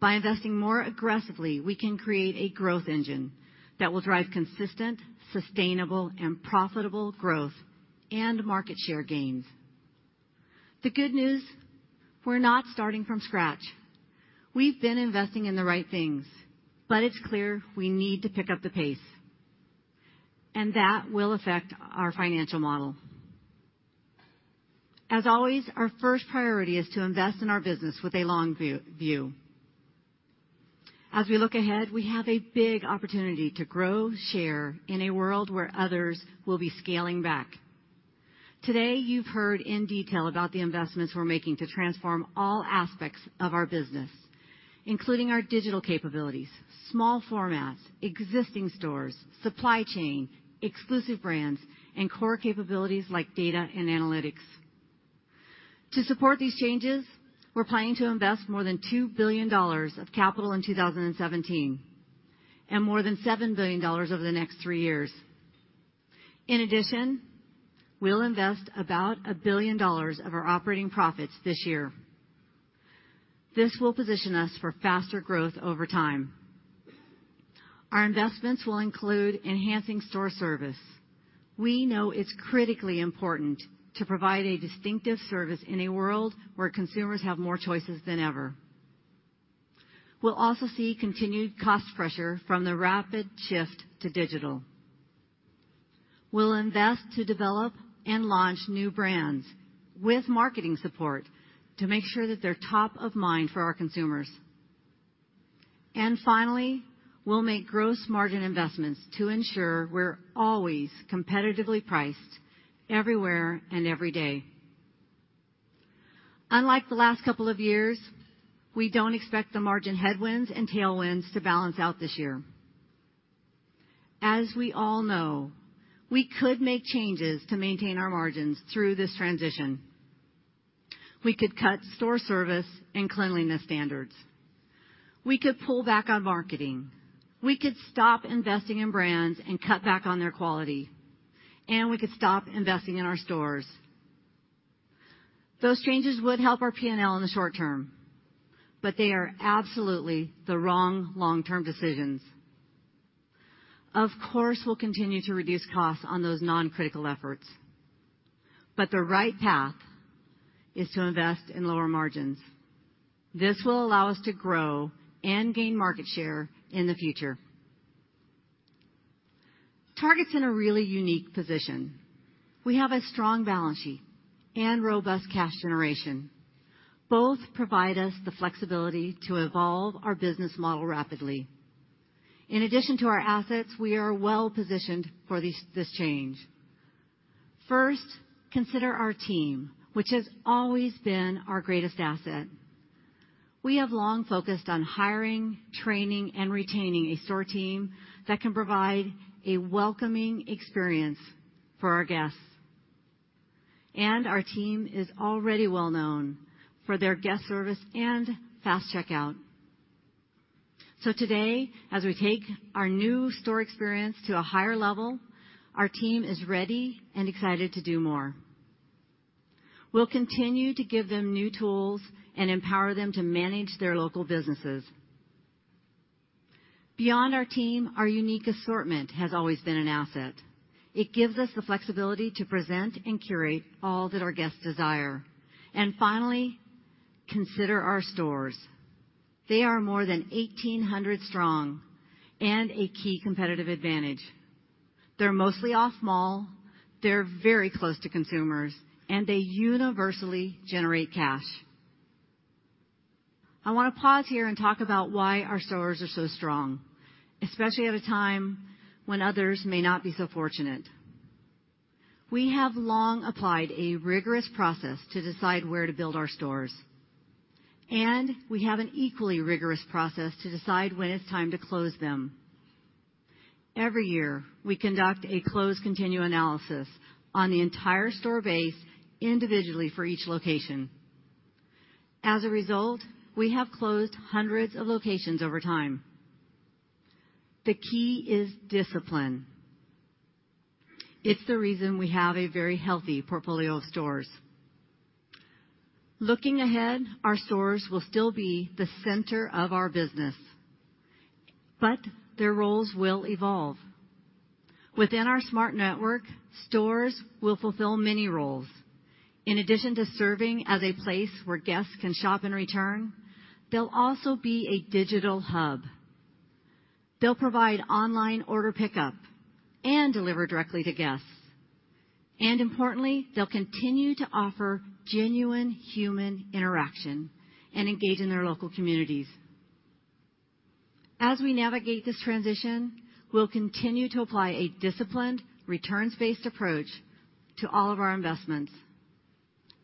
By investing more aggressively, we can create a growth engine that will drive consistent, sustainable, and profitable growth and market share gains. The good news, we're not starting from scratch. We've been investing in the right things, but it's clear we need to pick up the pace. That will affect our financial model. As always, our first priority is to invest in our business with a long view. As we look ahead, we have a big opportunity to grow share in a world where others will be scaling back. Today, you've heard in detail about the investments we're making to transform all aspects of our business, including our digital capabilities, small formats, existing stores, supply chain, exclusive brands, and core capabilities like data and analytics. To support these changes, we're planning to invest more than $2 billion of capital in 2017, and more than $7 billion over the next three years. In addition, we'll invest about a billion dollars of our operating profits this year. This will position us for faster growth over time. Our investments will include enhancing store service. We know it's critically important to provide a distinctive service in a world where consumers have more choices than ever. We'll also see continued cost pressure from the rapid shift to digital. We'll invest to develop and launch new brands with marketing support to make sure that they're top of mind for our consumers. Finally, we'll make gross margin investments to ensure we're always competitively priced everywhere and every day. Unlike the last couple of years, we don't expect the margin headwinds and tailwinds to balance out this year. As we all know, we could make changes to maintain our margins through this transition. We could cut store service and cleanliness standards. We could pull back on marketing. We could stop investing in brands and cut back on their quality. We could stop investing in our stores. Those changes would help our P&L in the short term, but they are absolutely the wrong long-term decisions. Of course, we'll continue to reduce costs on those non-critical efforts, but the right path is to invest in lower margins. This will allow us to grow and gain market share in the future. Target's in a really unique position. We have a strong balance sheet and robust cash generation. Both provide us the flexibility to evolve our business model rapidly. In addition to our assets, we are well-positioned for this change. First, consider our team, which has always been our greatest asset. We have long focused on hiring, training, and retaining a store team that can provide a welcoming experience for our guests. Our team is already well-known for their guest service and fast checkout. Today, as we take our new store experience to a higher level, our team is ready and excited to do more. We'll continue to give them new tools and empower them to manage their local businesses. Beyond our team, our unique assortment has always been an asset. It gives us the flexibility to present and curate all that our guests desire. Finally, consider our stores. They are more than 1,800 strong and a key competitive advantage. They're mostly off-mall, they're very close to consumers, and they universally generate cash. I want to pause here and talk about why our stores are so strong, especially at a time when others may not be so fortunate. We have long applied a rigorous process to decide where to build our stores. We have an equally rigorous process to decide when it's time to close them. Every year, we conduct a close continue analysis on the entire store base individually for each location. As a result, we have closed hundreds of locations over time. The key is discipline. It's the reason we have a very healthy portfolio of stores. Looking ahead, our stores will still be the center of our business, but their roles will evolve. Within our smart network, stores will fulfill many roles. In addition to serving as a place where guests can shop and return, they'll also be a digital hub. They'll provide online order pickup and deliver directly to guests. Importantly, they'll continue to offer genuine human interaction and engage in their local communities. As we navigate this transition, we'll continue to apply a disciplined, returns-based approach to all of our investments.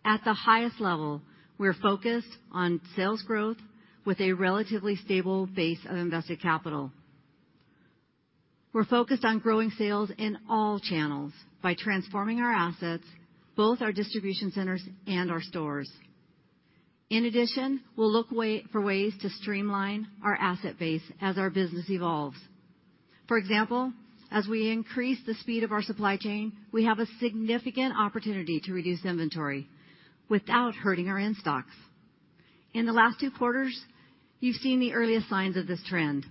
At the highest level, we're focused on sales growth with a relatively stable base of invested capital. We're focused on growing sales in all channels by transforming our assets, both our distribution centers and our stores. In addition, we'll look for ways to streamline our asset base as our business evolves. For example, as we increase the speed of our supply chain, we have a significant opportunity to reduce inventory without hurting our in-stocks. In the last two quarters, you've seen the earliest signs of this trend,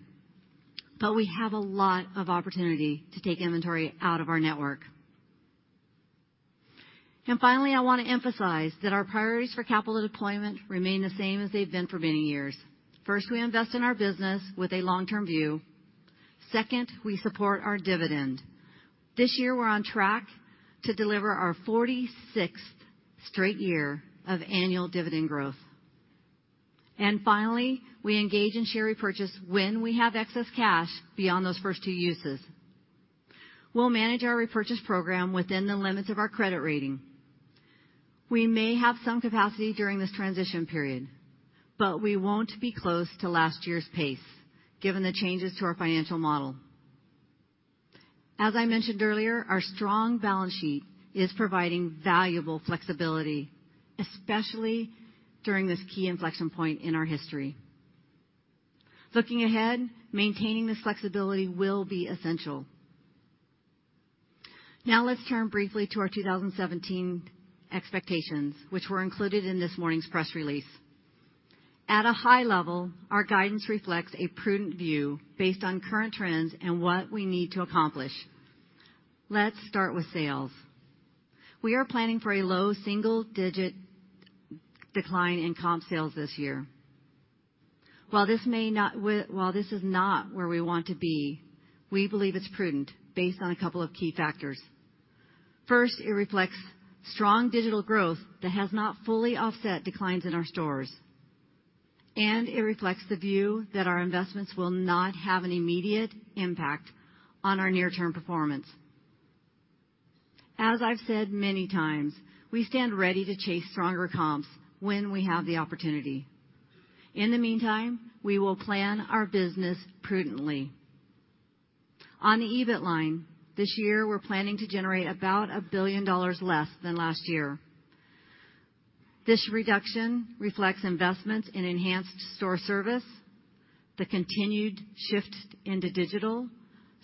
but we have a lot of opportunity to take inventory out of our network. Finally, I want to emphasize that our priorities for capital deployment remain the same as they've been for many years. First, we invest in our business with a long-term view. Second, we support our dividend. This year, we're on track to deliver our 46th straight year of annual dividend growth. Finally, we engage in share repurchase when we have excess cash beyond those first two uses. We'll manage our repurchase program within the limits of our credit rating. We may have some capacity during this transition period, but we won't be close to last year's pace given the changes to our financial model. As I mentioned earlier, our strong balance sheet is providing valuable flexibility, especially during this key inflection point in our history. Looking ahead, maintaining this flexibility will be essential. Now let's turn briefly to our 2017 expectations, which were included in this morning's press release. At a high level, our guidance reflects a prudent view based on current trends and what we need to accomplish. Let's start with sales. We are planning for a low single-digit decline in comp sales this year. While this is not where we want to be, we believe it's prudent based on a couple of key factors. First, it reflects strong digital growth that has not fully offset declines in our stores. It reflects the view that our investments will not have an immediate impact on our near-term performance. As I've said many times, we stand ready to chase stronger comps when we have the opportunity. In the meantime, we will plan our business prudently. On the EBIT line, this year, we're planning to generate about $1 billion less than last year. This reduction reflects investments in enhanced store service, the continued shift into digital,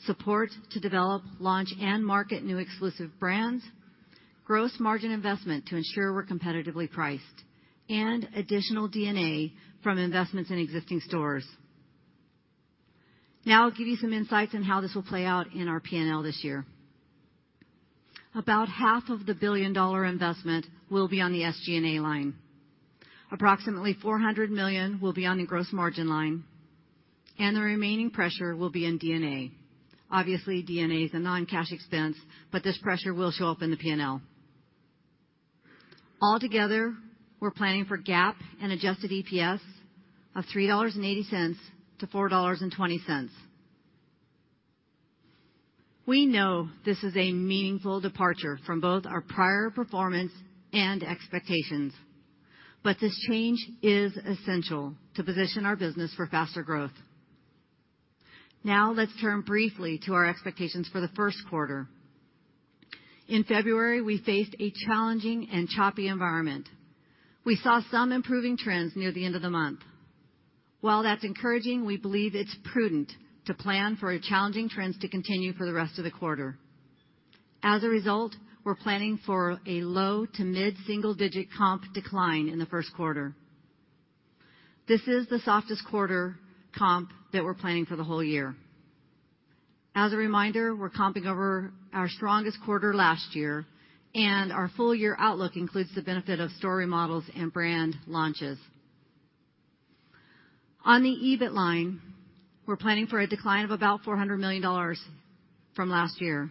support to develop, launch, and market new exclusive brands, gross margin investment to ensure we're competitively priced, and additional D&A from investments in existing stores. Now I'll give you some insights on how this will play out in our P&L this year. About half of the billion-dollar investment will be on the SG&A line. Approximately $400 million will be on the gross margin line, and the remaining pressure will be in D&A. Obviously, D&A is a non-cash expense, but this pressure will show up in the P&L. Altogether, we're planning for GAAP and adjusted EPS of $3.80 to $4.20. We know this is a meaningful departure from both our prior performance and expectations, but this change is essential to position our business for faster growth. Now let's turn briefly to our expectations for the first quarter. In February, we faced a challenging and choppy environment. We saw some improving trends near the end of the month. While that's encouraging, we believe it's prudent to plan for challenging trends to continue for the rest of the quarter. As a result, we're planning for a low to mid single-digit comp decline in the first quarter. This is the softest quarter comp that we're planning for the whole year. As a reminder, we're comping over our strongest quarter last year, and our full-year outlook includes the benefit of store remodels and brand launches. On the EBIT line, we're planning for a decline of about $400 million from last year.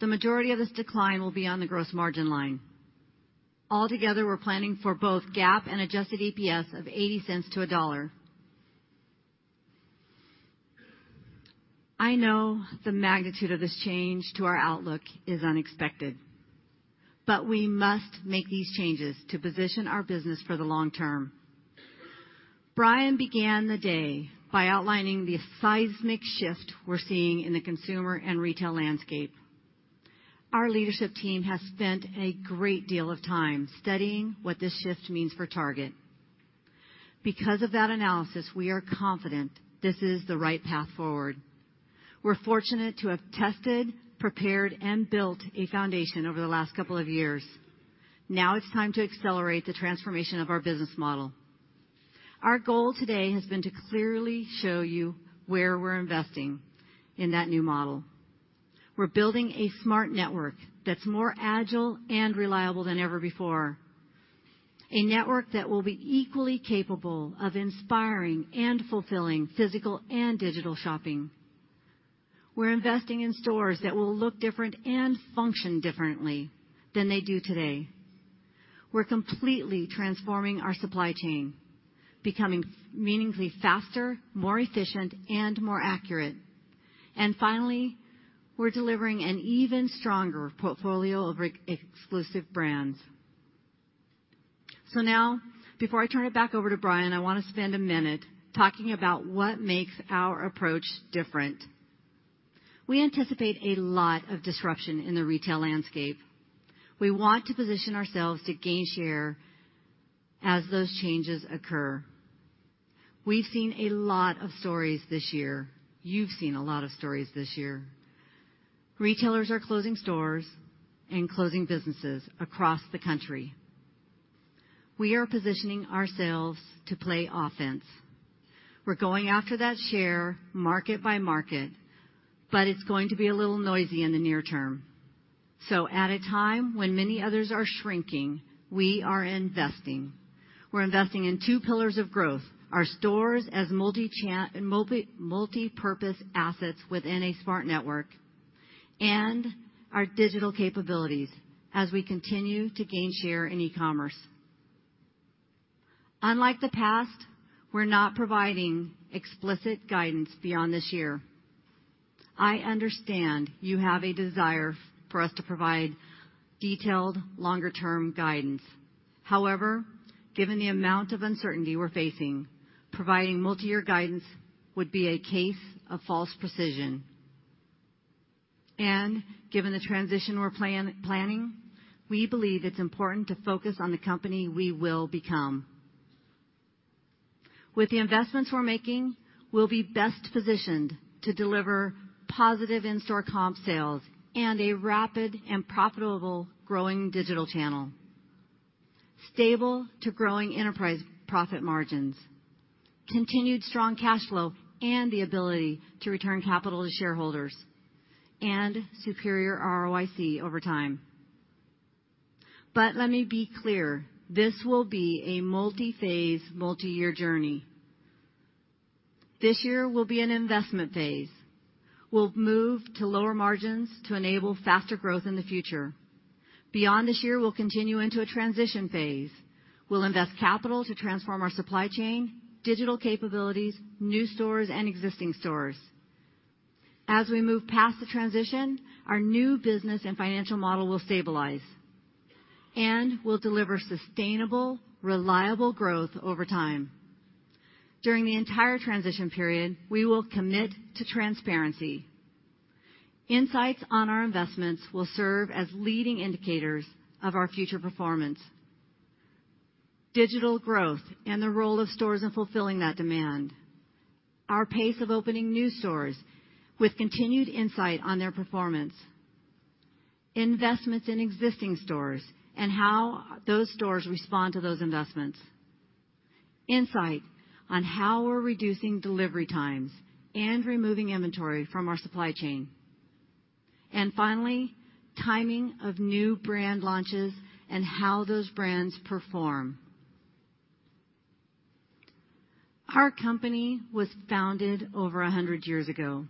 The majority of this decline will be on the gross margin line. Altogether, we're planning for both GAAP and adjusted EPS of $0.80-$1.00. I know the magnitude of this change to our outlook is unexpected, we must make these changes to position our business for the long term. Brian began the day by outlining the seismic shift we're seeing in the consumer and retail landscape. Our leadership team has spent a great deal of time studying what this shift means for Target. Because of that analysis, we are confident this is the right path forward. We're fortunate to have tested, prepared, and built a foundation over the last couple of years. It's time to accelerate the transformation of our business model. Our goal today has been to clearly show you where we're investing in that new model. We're building a smart network that's more agile and reliable than ever before. A network that will be equally capable of inspiring and fulfilling physical and digital shopping. We're investing in stores that will look different and function differently than they do today. We're completely transforming our supply chain, becoming meaningfully faster, more efficient, and more accurate. Finally, we're delivering an even stronger portfolio of exclusive brands. Now, before I turn it back over to Brian, I want to spend a minute talking about what makes our approach different. We anticipate a lot of disruption in the retail landscape. We want to position ourselves to gain share as those changes occur. We've seen a lot of stories this year. You've seen a lot of stories this year. Retailers are closing stores and closing businesses across the country. We are positioning ourselves to play offense. We're going after that share market by market, it's going to be a little noisy in the near term. At a time when many others are shrinking, we are investing. We're investing in two pillars of growth, our stores as multipurpose assets within a smart network, and our digital capabilities as we continue to gain share in e-commerce. Unlike the past, we're not providing explicit guidance beyond this year. I understand you have a desire for us to provide detailed, longer-term guidance. However, given the amount of uncertainty we're facing, providing multi-year guidance would be a case of false precision. Given the transition we're planning, we believe it's important to focus on the company we will become. With the investments we're making, we'll be best positioned to deliver positive in-store comp sales and a rapid and profitable growing digital channel, stable to growing enterprise profit margins, continued strong cash flow, and the ability to return capital to shareholders and superior ROIC over time. Let me be clear, this will be a multi-phase, multi-year journey. This year will be an investment phase. We'll move to lower margins to enable faster growth in the future. Beyond this year, we'll continue into a transition phase. We'll invest capital to transform our supply chain, digital capabilities, new stores, and existing stores. As we move past the transition, our new business and financial model will stabilize, and we'll deliver sustainable, reliable growth over time. During the entire transition period, we will commit to transparency. Insights on our investments will serve as leading indicators of our future performance. Digital growth, and the role of stores in fulfilling that demand. Our pace of opening new stores with continued insight on their performance, investments in existing stores, and how those stores respond to those investments. Insight on how we're reducing delivery times and removing inventory from our supply chain. Finally, timing of new brand launches and how those brands perform. Our company was founded over 100 years ago,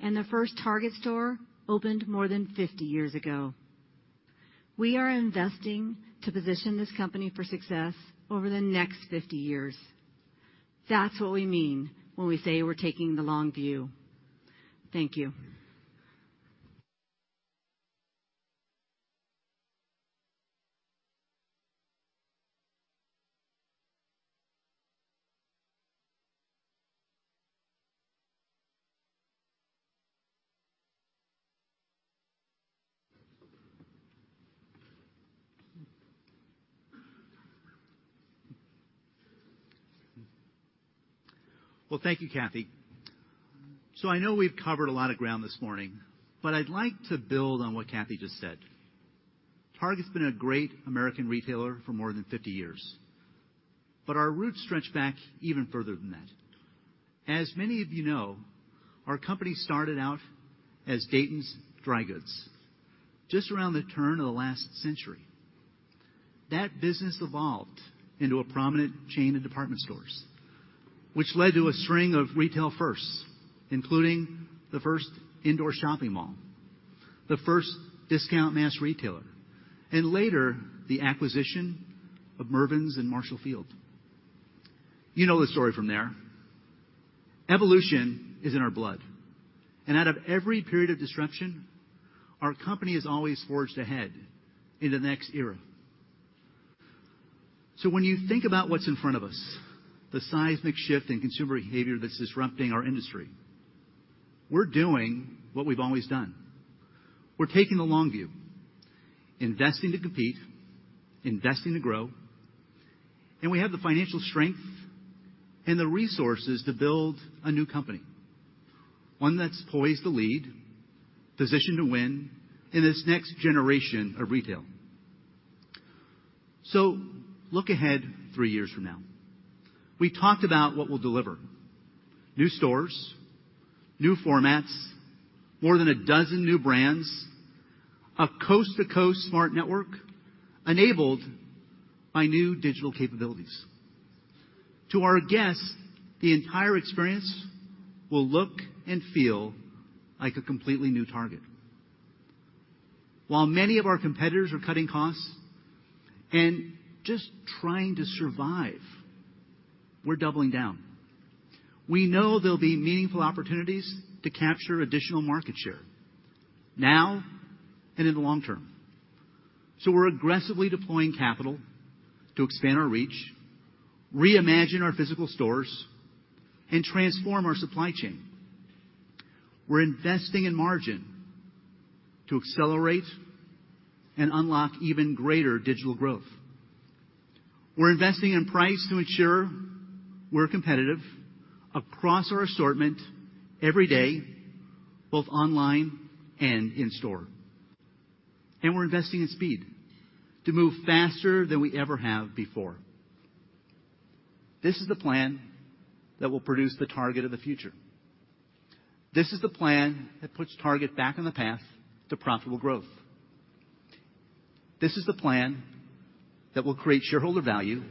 and the first Target store opened more than 50 years ago. We are investing to position this company for success over the next 50 years. That's what we mean when we say we're taking the long view. Thank you. Well, thank you, Cathy. I know we've covered a lot of ground this morning, I'd like to build on what Cathy just said. Target's been a great American retailer for more than 50 years, but our roots stretch back even further than that. As many of you know, our company started out as Dayton's Dry Goods just around the turn of the last century. That business evolved into a prominent chain of department stores, which led to a string of retail firsts, including the first indoor shopping mall, the first discount mass retailer, later, the acquisition of Mervyn's and Marshall Field's. You know the story from there. Evolution is in our blood, out of every period of disruption, our company has always forged ahead into the next era. When you think about what's in front of us, the seismic shift in consumer behavior that's disrupting our industry, we're doing what we've always done. We're taking the long view, investing to compete, investing to grow, we have the financial strength and the resources to build a new company. One that's poised to lead, positioned to win in this next generation of retail. Look ahead three years from now. We talked about what we'll deliver. New stores, new formats, more than a dozen new brands, a coast-to-coast smart network enabled by new digital capabilities. To our guests, the entire experience will look and feel like a completely new Target. While many of our competitors are cutting costs and just trying to survive, we're doubling down. We know there'll be meaningful opportunities to capture additional market share now and in the long term. We're aggressively deploying capital to expand our reach, reimagine our physical stores, transform our supply chain. We're investing in margin to accelerate and unlock even greater digital growth. We're investing in price to ensure we're competitive across our assortment every day, both online and in store. We're investing in speed to move faster than we ever have before. This is the plan that will produce the Target of the future. This is the plan that puts Target back on the path to profitable growth. This is the plan that will create shareholder value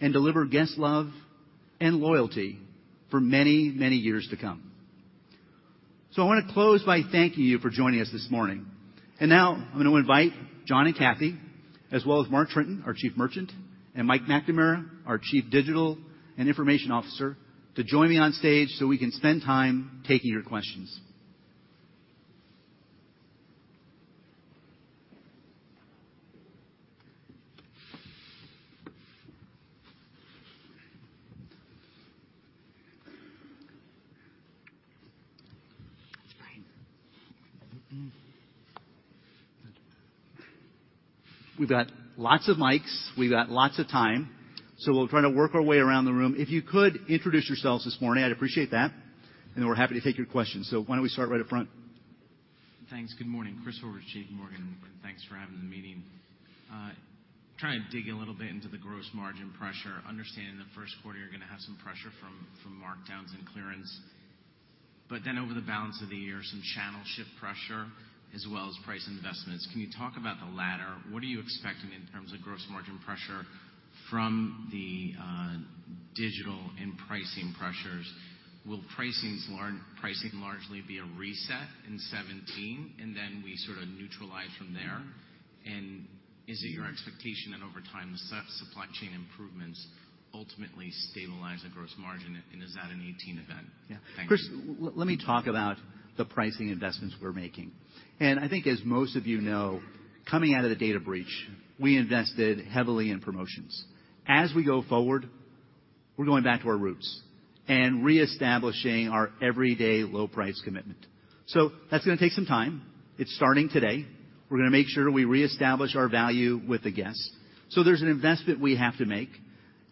and deliver guest love and loyalty for many, many years to come. I want to close by thanking you for joining us this morning. Now I'm going to invite John and Cathy, as well as Mark Tritton, our Chief Merchant, and Mike McNamara, our Chief Digital and Information Officer, to join me on stage we can spend time taking your questions. We've got lots of mics, we've got lots of time, we'll try to work our way around the room. If you could introduce yourselves this morning, I'd appreciate that. We're happy to take your questions. Why don't we start right up front? Thanks. Good morning, Chris Horvers, J.P. Morgan. Thanks for having the meeting. Trying to dig a little bit into the gross margin pressure. Understanding the first quarter you're going to have some pressure from markdowns and clearance. Over the balance of the year, some channel ship pressure as well as price investments. Can you talk about the latter? What are you expecting in terms of gross margin pressure from the digital and pricing pressures? Will pricing largely be a reset in 2017, we sort of neutralize from there? Is it your expectation that over time, the supply chain improvements ultimately stabilize the gross margin, is that a 2018 event? Thank you. Chris, let me talk about the pricing investments we're making. I think as most of you know, coming out of the data breach, we invested heavily in promotions. As we go forward, we're going back to our roots and reestablishing our everyday low price commitment. That's going to take some time. It's starting today. We're going to make sure we reestablish our value with the guest. There's an investment we have to make,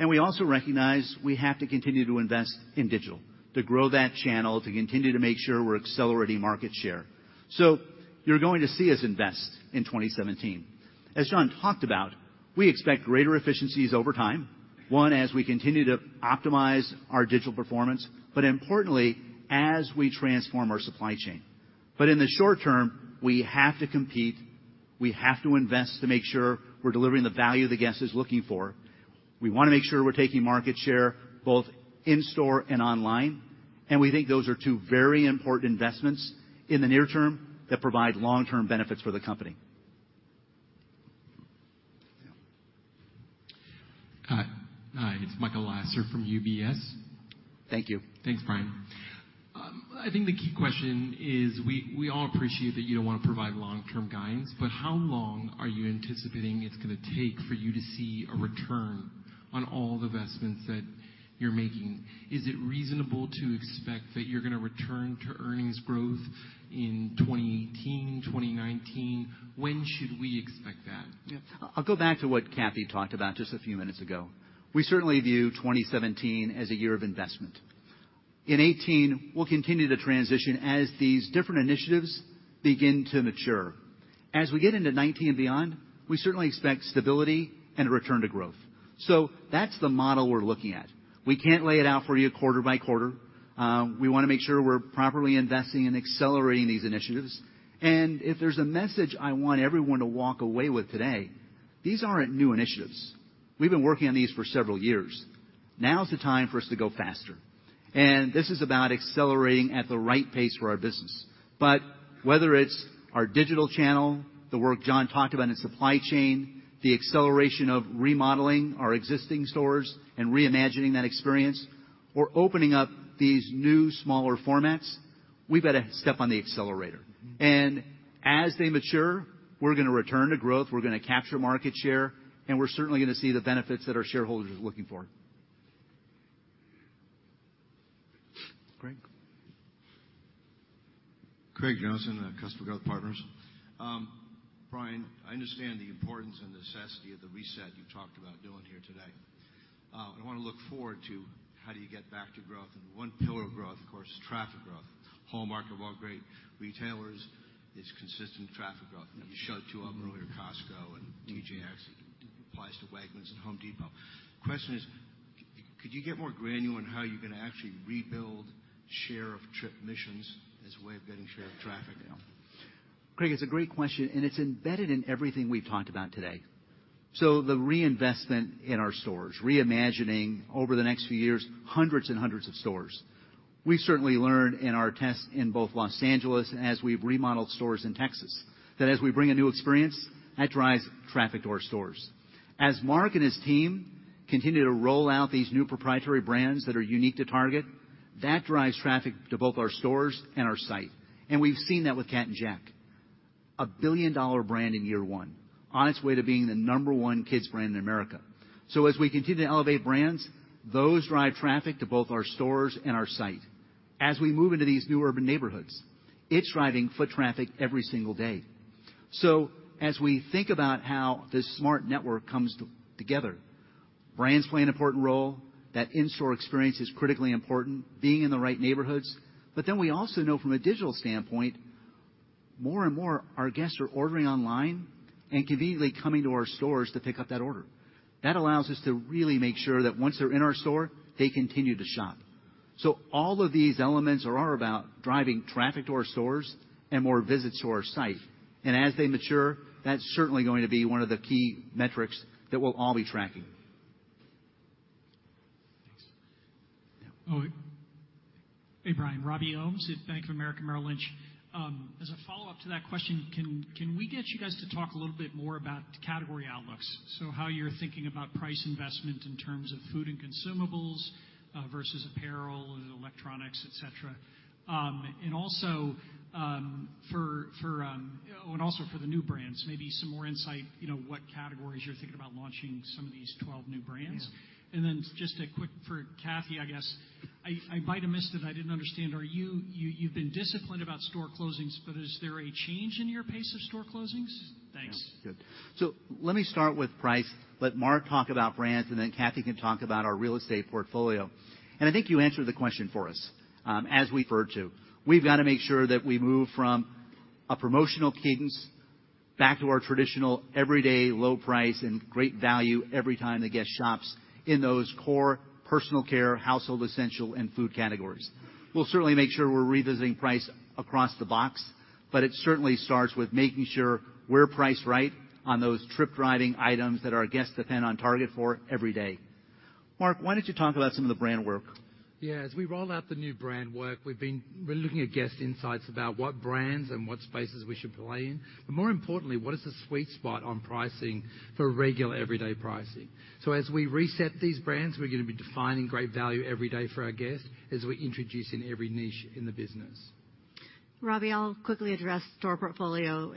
we also recognize we have to continue to invest in digital, to grow that channel, to continue to make sure we're accelerating market share. You're going to see us invest in 2017. As John talked about, we expect greater efficiencies over time. One, as we continue to optimize our digital performance, but importantly, as we transform our supply chain. In the short term, we have to compete. We have to invest to make sure we're delivering the value the guest is looking for. We want to make sure we're taking market share both in store and online, we think those are two very important investments in the near term that provide long-term benefits for the company. Yeah. Hi, it's Michael Lasser from UBS. Thank you. Thanks, Brian. I think the key question is, we all appreciate that you don't want to provide long-term guidance, but how long are you anticipating it's going to take for you to see a return on all the investments that you're making? Is it reasonable to expect that you're going to return to earnings growth in 2018, 2019? When should we expect that? Yeah. I'll go back to what Cathy talked about just a few minutes ago. We certainly view 2017 as a year of investment. In 2018, we'll continue to transition as these different initiatives begin to mature. As we get into 2019 and beyond, we certainly expect stability and a return to growth. That's the model we're looking at. We can't lay it out for you quarter by quarter. We want to make sure we're properly investing in accelerating these initiatives. If there's a message I want everyone to walk away with today, these aren't new initiatives. We've been working on these for several years. Now's the time for us to go faster. This is about accelerating at the right pace for our business. Whether it's our digital channel, the work John talked about in supply chain, the acceleration of remodeling our existing stores and reimagining that experience, or opening up these new, smaller formats, we better step on the accelerator. As they mature, we're going to return to growth, we're going to capture market share, and we're certainly going to see the benefits that our shareholders are looking for. Greg. Craig Johnson at Customer Growth Partners. Brian, I understand the importance and necessity of the reset you've talked about doing here today. I want to look forward to how do you get back to growth, and one pillar of growth, of course, is traffic growth. Hallmark of all great retailers is consistent traffic growth. You showed two of them earlier, Costco and TJX. It applies to Wegmans and Home Depot. Question is, could you get more granular on how you're going to actually rebuild share of trip missions as a way of getting share of traffic now? Craig, it's a great question, and it's embedded in everything we've talked about today. The reinvestment in our stores, reimagining over the next few years, hundreds and hundreds of stores. We certainly learned in our tests in both Los Angeles as we've remodeled stores in Texas, that as we bring a new experience, that drives traffic to our stores. As Mark and his team continue to roll out these new proprietary brands that are unique to Target, that drives traffic to both our stores and our site. We've seen that with Cat & Jack. A billion-dollar brand in year one, on its way to being the number one kids brand in America. As we continue to elevate brands, those drive traffic to both our stores and our site. As we move into these new urban neighborhoods, it's driving foot traffic every single day. As we think about how this smart network comes together, brands play an important role. That in-store experience is critically important, being in the right neighborhoods. We also know from a digital standpoint, more and more our guests are ordering online and conveniently coming to our stores to pick up that order. That allows us to really make sure that once they're in our store, they continue to shop. All of these elements are about driving traffic to our stores and more visits to our site. As they mature, that's certainly going to be one of the key metrics that we'll all be tracking. Thanks. Yeah. Hey, Brian. Robert Ohmes at Bank of America Merrill Lynch. As a follow-up to that question, can we get you guys to talk a little bit more about category outlooks? How you're thinking about price investment in terms of food and consumables, versus apparel and electronics, et cetera. Also for the new brands, maybe some more insight, what categories you're thinking about launching some of these 12 new brands. Yeah. Then just a quick for Cathy, I guess. I might have missed it. I didn't understand. You've been disciplined about store closings, is there a change in your pace of store closings? Thanks. Yeah. Good. Let me start with price, let Mark talk about brands, then Cathy can talk about our real estate portfolio. I think you answered the question for us. As we referred to, we've got to make sure that we move from a promotional cadence back to our traditional everyday low price and great value every time the guest shops in those core personal care, household essential, and food categories. We'll certainly make sure we're revisiting price across the box, but it certainly starts with making sure we're priced right on those trip-driving items that our guests depend on Target for every day. Mark, why don't you talk about some of the brand work? Yeah. As we roll out the new brand work, we're looking at guest insights about what brands and what spaces we should play in. More importantly, what is the sweet spot on pricing for regular, everyday pricing. As we reset these brands, we're going to be defining great value every day for our guests as we introduce in every niche in the business. Robert, I'll quickly address store portfolio.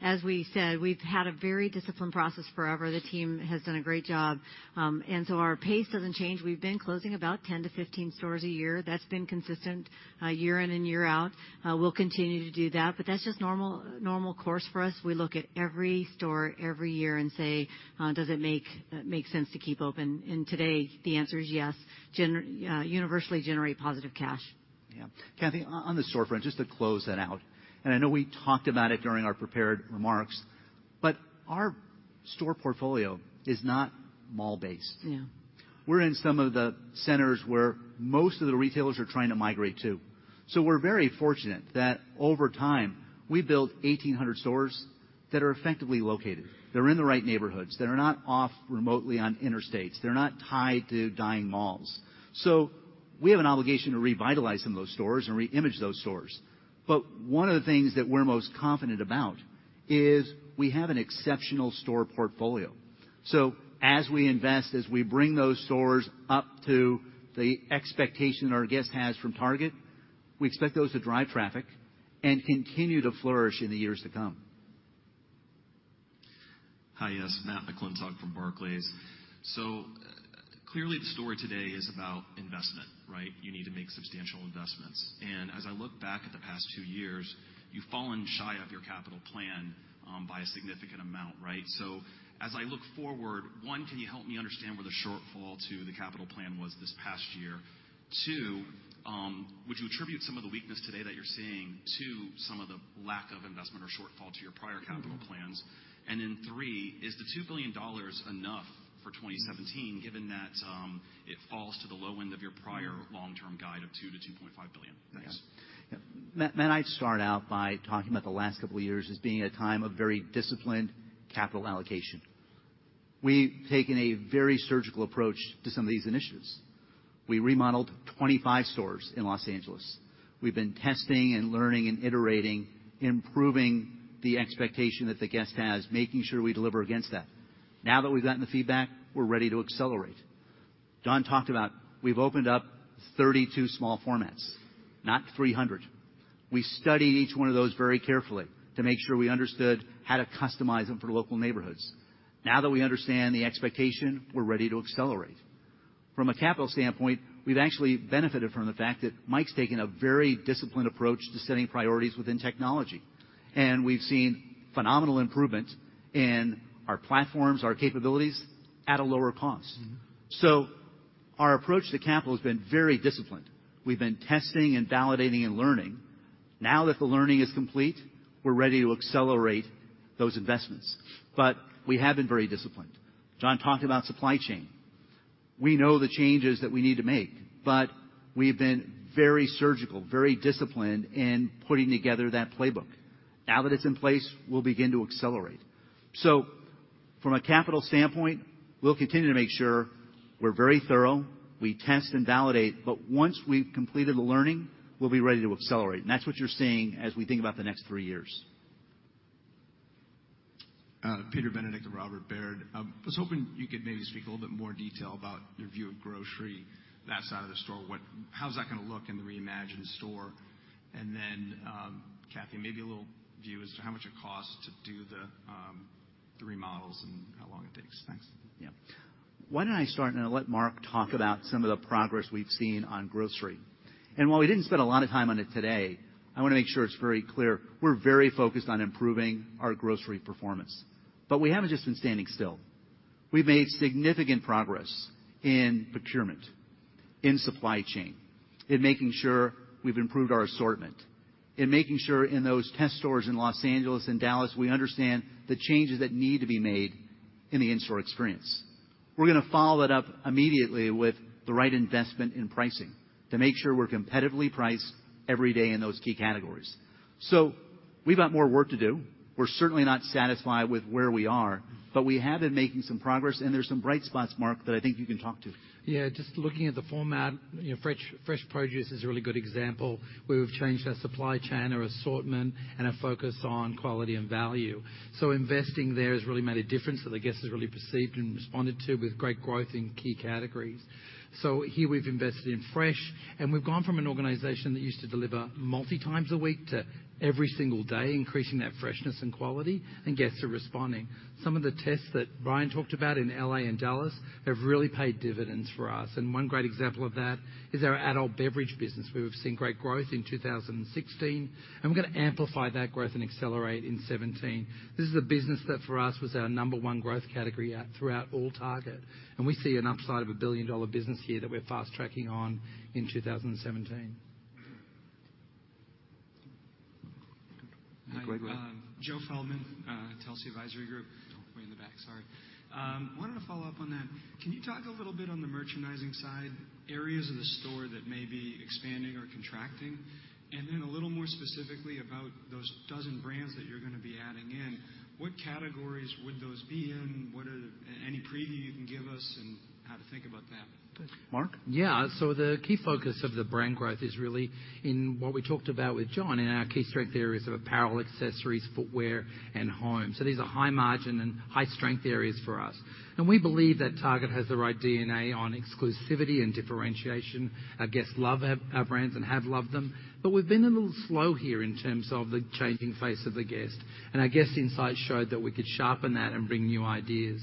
As we said, we've had a very disciplined process forever. The team has done a great job. Our pace doesn't change. We've been closing about 10-15 stores a year. That's been consistent year in and year out. We'll continue to do that's just normal course for us. We look at every store every year and say, "Does it make sense to keep open?" Today, the answer is yes. Universally generate positive cash. Yeah. Cathy, on the storefront, just to close that out, I know we talked about it during our prepared remarks, our store portfolio is not mall-based. Yeah. We're in some of the centers where most of the retailers are trying to migrate to. We're very fortunate that over time, we built 1,800 stores that are effectively located. They're in the right neighborhoods. They're not off remotely on interstates. They're not tied to dying malls. We have an obligation to revitalize some of those stores and re-image those stores. One of the things that we're most confident about is we have an exceptional store portfolio. As we invest, as we bring those stores up to the expectation that our guest has from Target, we expect those to drive traffic and continue to flourish in the years to come. Hi, yes. Matthew McClintock from Barclays. Clearly, the story today is about investment, right? You need to make substantial investments. As I look back at the past two years, you've fallen shy of your capital plan by a significant amount, right? As I look forward, one, can you help me understand where the shortfall to the capital plan was this past year? Two, would you attribute some of the weakness today that you're seeing to some of the lack of investment or shortfall to your prior capital plans? Three, is the $2 billion enough for 2017, given that it falls to the low end of your prior long-term guide of $2 billion to $2.5 billion? Thanks. Yeah. Matt, I'd start out by talking about the last couple of years as being a time of very disciplined capital allocation. We've taken a very surgical approach to some of these initiatives. We remodeled 25 stores in L.A. We've been testing and learning and iterating, improving the expectation that the guest has, making sure we deliver against that. Now that we've gotten the feedback, we're ready to accelerate. John talked about, we've opened up 32 small formats, not 300. We studied each one of those very carefully to make sure we understood how to customize them for local neighborhoods. Now that we understand the expectation, we're ready to accelerate. From a capital standpoint, we've actually benefited from the fact that Mike's taken a very disciplined approach to setting priorities within technology. We've seen phenomenal improvement in our platforms, our capabilities, at a lower cost. Our approach to capital has been very disciplined. We've been testing and validating and learning. Now that the learning is complete, we're ready to accelerate those investments. We have been very disciplined. John talked about supply chain. We know the changes that we need to make, but we have been very surgical, very disciplined in putting together that playbook. Now that it's in place, we'll begin to accelerate. From a capital standpoint, we'll continue to make sure we're very thorough. We test and validate, but once we've completed the learning, we'll be ready to accelerate. That's what you're seeing as we think about the next three years. Peter Benedict of Robert W. Baird. I was hoping you could maybe speak a little bit more detail about your view of grocery, that side of the store. How's that gonna look in the reimagined store? Kathy, maybe a little view as to how much it costs to do the store remodels and how long it takes. Thanks. Yeah. Why don't I start, and I'll let Mark talk about some of the progress we've seen on grocery. While we didn't spend a lot of time on it today, I want to make sure it's very clear, we're very focused on improving our grocery performance. We haven't just been standing still. We've made significant progress in procurement, in supply chain, in making sure we've improved our assortment, in making sure in those test stores in L.A. and Dallas, we understand the changes that need to be made in the in-store experience. We're gonna follow that up immediately with the right investment in pricing to make sure we're competitively priced every day in those key categories. We've got more work to do. We're certainly not satisfied with where we are, but we have been making some progress, and there's some bright spots, Mark, that I think you can talk to. Yeah, just looking at the format, fresh produce is a really good example where we've changed our supply chain, our assortment, and our focus on quality and value. Investing there has really made a difference that the guests have really perceived and responded to with great growth in key categories. Here we've invested in fresh, and we've gone from an organization that used to deliver multi times a week to every single day, increasing that freshness and quality, and guests are responding. Some of the tests that Brian talked about in L.A. and Dallas have really paid dividends for us. One great example of that is our adult beverage business, where we've seen great growth in 2016, and we're gonna amplify that growth and accelerate in 2017. This is a business that for us was our number 1 growth category at throughout all Target, and we see an upside of a billion-dollar business here that we're fast-tracking on in 2017. Hi, Greg. Hi. Joe Feldman, Telsey Advisory Group. Way in the back, sorry. Wanted to follow up on that. Can you talk a little bit on the merchandising side, areas of the store that may be expanding or contracting? Then a little more specifically about those dozen brands that you're gonna be adding in. What categories would those be in? Any preview you can give us and how to think about that? Mark? Yeah. The key focus of the brand growth is really in what we talked about with John in our key strength areas of apparel, accessories, footwear, and home. These are high margin and high strength areas for us. We believe that Target has the right DNA on exclusivity and differentiation. Our guests love our brands and have loved them. We've been a little slow here in terms of the changing face of the guest, and our guest insights showed that we could sharpen that and bring new ideas.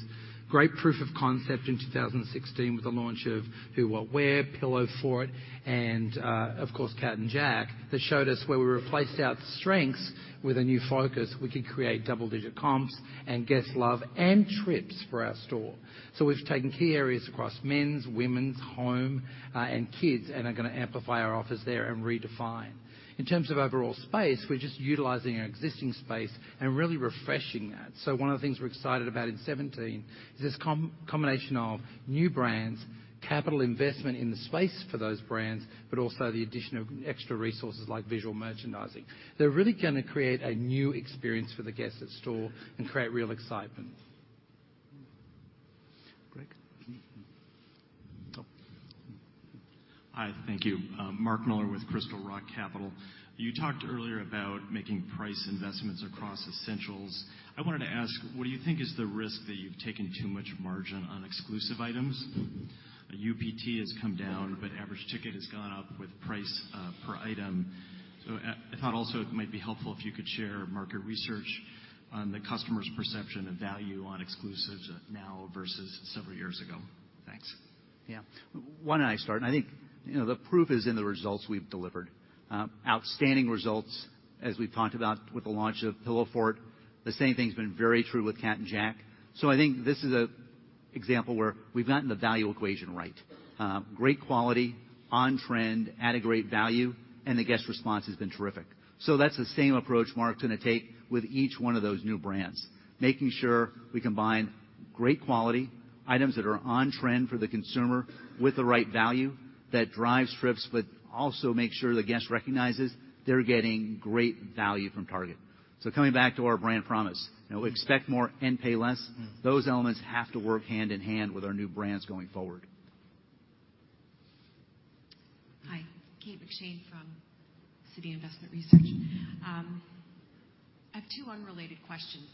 Great proof of concept in 2016 with the launch of Who What Wear, Pillowfort, and of course Cat & Jack, that showed us where we replaced our strengths with a new focus. We could create double-digit comps and guest love and trips for our store. We've taken key areas across men's, women's, home, and kids, and are gonna amplify our office there and redefine. In terms of overall space, we're just utilizing our existing space and really refreshing that. One of the things we're excited about in 2017 is this combination of new brands, capital investment in the space for those brands, also the addition of extra resources like visual merchandising. They're really gonna create a new experience for the guests at store and create real excitement. Greg. Oh. Hi. Thank you. Mark Miller with Crystal Rock Capital. You talked earlier about making price investments across essentials. I wanted to ask, what do you think is the risk that you've taken too much margin on exclusive items? UPT has come down, but average ticket has gone up with price per item. I thought also it might be helpful if you could share market research on the customer's perception of value on exclusives now versus several years ago. Thanks. Yeah. Why don't I start? I think the proof is in the results we've delivered. Outstanding results, as we've talked about with the launch of Pillowfort. The same thing's been very true with Cat & Jack. I think this is an example where we've gotten the value equation right. Great quality, on trend, at a great value, and the guest response has been terrific. That's the same approach Mark's gonna take with each one of those new brands, making sure we combine great quality, items that are on trend for the consumer with the right value that drives trips, but also makes sure the guest recognizes they're getting great value from Target. Coming back to our brand promise, expect more and pay less. Those elements have to work hand in hand with our new brands going forward. Hi. Kate McShane from Citi Investment Research. I have two unrelated questions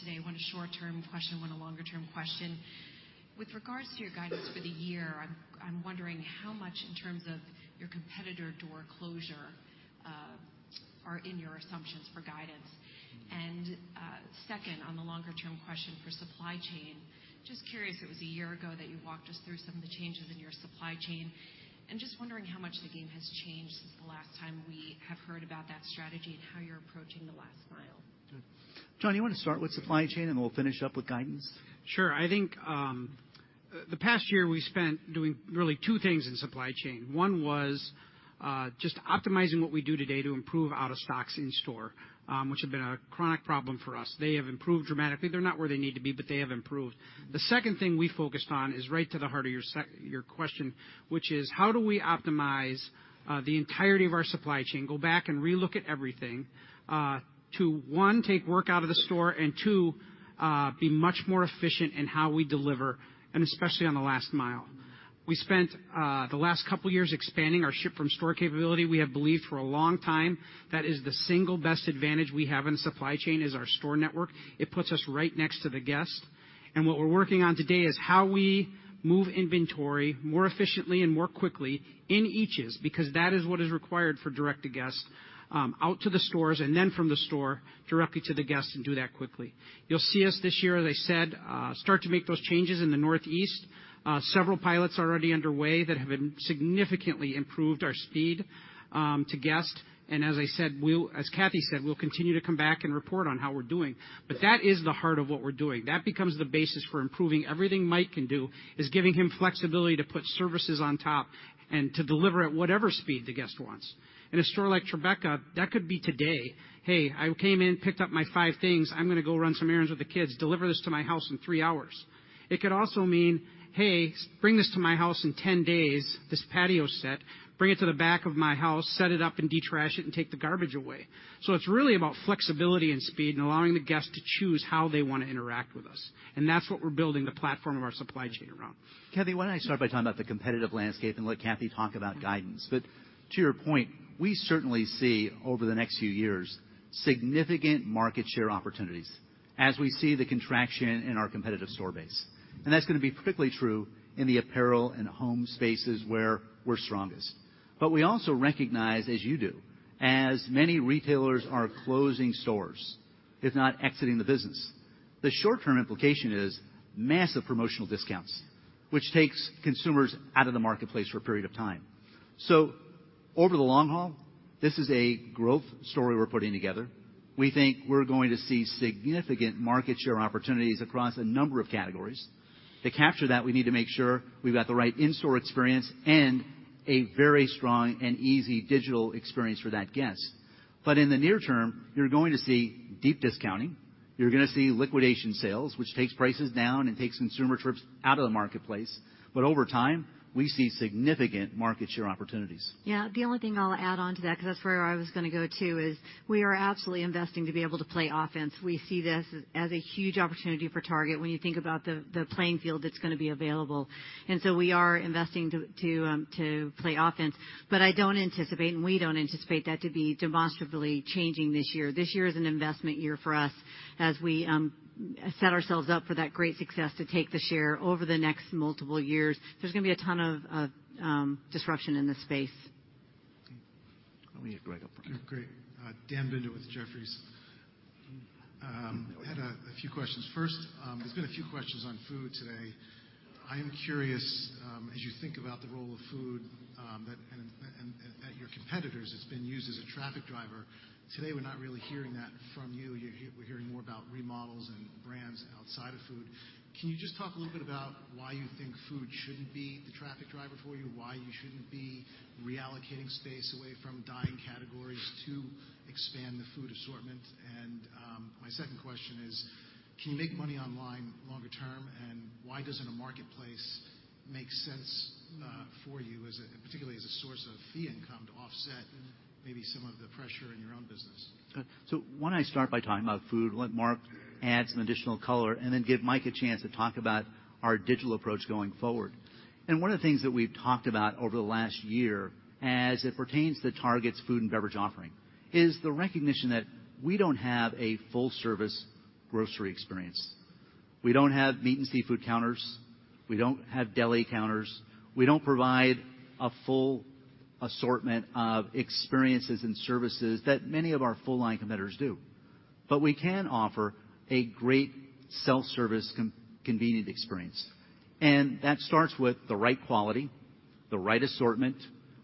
today. One a short-term question, one a longer-term question. With regards to your guidance for the year, I'm wondering how much in terms of your competitor door closure are in your assumptions for guidance. Second, on the longer-term question for supply chain, just curious, it was a year ago that you walked us through some of the changes in your supply chain, and just wondering how much the game has changed since the last time we have heard about that strategy and how you're approaching the last mile. John, you want to start with supply chain, and we'll finish up with guidance? Sure. I think the past year we spent doing really two things in supply chain. One was just optimizing what we do today to improve out of stocks in store, which had been a chronic problem for us. They have improved dramatically. They're not where they need to be, but they have improved. The second thing we focused on is right to the heart of your question, which is how do we optimize the entirety of our supply chain, go back and relook at everything, to one, take work out of the store, and two, be much more efficient in how we deliver, and especially on the last mile. We spent the last couple of years expanding our ship-from-store capability. We have believed for a long time that is the single best advantage we have in supply chain is our store network. It puts us right next to the guest. What we're working on today is how we move inventory more efficiently and more quickly in eaches, because that is what is required for direct-to-guest, out to the stores and then from the store directly to the guest and do that quickly. You'll see us this year, as I said, start to make those changes in the Northeast. Several pilots are already underway that have significantly improved our speed to guest. As Cathy said, we'll continue to come back and report on how we're doing. That is the heart of what we're doing. That becomes the basis for improving. Everything Mike can do is giving him flexibility to put services on top and to deliver at whatever speed the guest wants. In a store like Tribeca, that could be today. "Hey, I came in, picked up my five things. I'm going to go run some errands with the kids. Deliver this to my house in three hours." It could also mean, "Hey, bring this to my house in 10 days, this patio set. Bring it to the back of my house, set it up and de-trash it, and take the garbage away." It's really about flexibility and speed and allowing the guest to choose how they want to interact with us. That's what we're building the platform of our supply chain around. Cathy, why don't I start by talking about the competitive landscape and let Cathy talk about guidance? To your point, we certainly see over the next few years, significant market share opportunities as we see the contraction in our competitive store base. That's going to be particularly true in the apparel and home spaces where we're strongest. We also recognize, as you do, as many retailers are closing stores, if not exiting the business, the short-term implication is massive promotional discounts, which takes consumers out of the marketplace for a period of time. Over the long haul, this is a growth story we're putting together. We think we're going to see significant market share opportunities across a number of categories. To capture that, we need to make sure we've got the right in-store experience and a very strong and easy digital experience for that guest. In the near term, you're going to see deep discounting. You're going to see liquidation sales, which takes prices down and takes consumer trips out of the marketplace. Over time, we see significant market share opportunities. The only thing I'll add onto that, because that's where I was going to go, too, is we are absolutely investing to be able to play offense. We see this as a huge opportunity for Target when you think about the playing field that's going to be available. We are investing to play offense. I don't anticipate, and we don't anticipate that to be demonstrably changing this year. This year is an investment year for us as we set ourselves up for that great success to take the share over the next multiple years. There's going to be a ton of disruption in this space. Let me get Greg up front. Great. Daniel Binder with Jefferies. I had a few questions. First, there's been a few questions on food today. I am curious, as you think about the role of food, and at your competitors, it's been used as a traffic driver. Today, we're not really hearing that from you. We're hearing more about remodels and brands outside of food. Can you just talk a little bit about why you think food shouldn't be the traffic driver for you, why you shouldn't be reallocating space away from dying categories to expand the food assortment? My second question is, can you make money online longer term, and why doesn't a marketplace make sense for you, particularly as a source of fee income to offset maybe some of the pressure in your own business? Why don't I start by talking about food, let Mark add some additional color, and then give Mike a chance to talk about our digital approach going forward. One of the things that we've talked about over the last year as it pertains to Target's food and beverage offering is the recognition that we don't have a full-service grocery experience. We don't have meat and seafood counters. We don't have deli counters. We don't provide a full assortment of experiences and services that many of our full-line competitors do. We can offer a great self-service convenient experience. That starts with the right quality, the right assortment,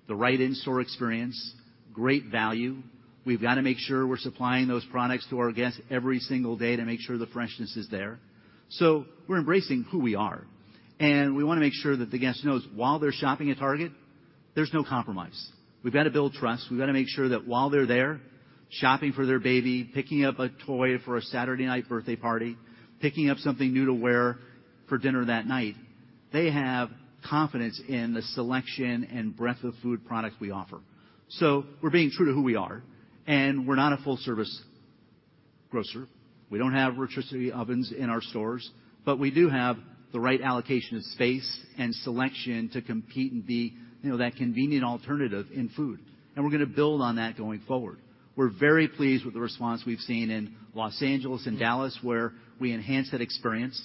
the right in-store experience, great value. We've got to make sure we're supplying those products to our guests every single day to make sure the freshness is there. We're embracing who we are, and we want to make sure that the guest knows while they're shopping at Target, there's no compromise. We've got to build trust. We've got to make sure that while they're there, shopping for their baby, picking up a toy for a Saturday night birthday party, picking up something new to wear for dinner that night, they have confidence in the selection and breadth of food products we offer. We're being true to who we are, and we're not a full-service grocer. We don't have rotisserie ovens in our stores, but we do have the right allocation of space and selection to compete and be that convenient alternative in food. We're going to build on that going forward. We're very pleased with the response we've seen in Los Angeles and Dallas, where we enhanced that experience,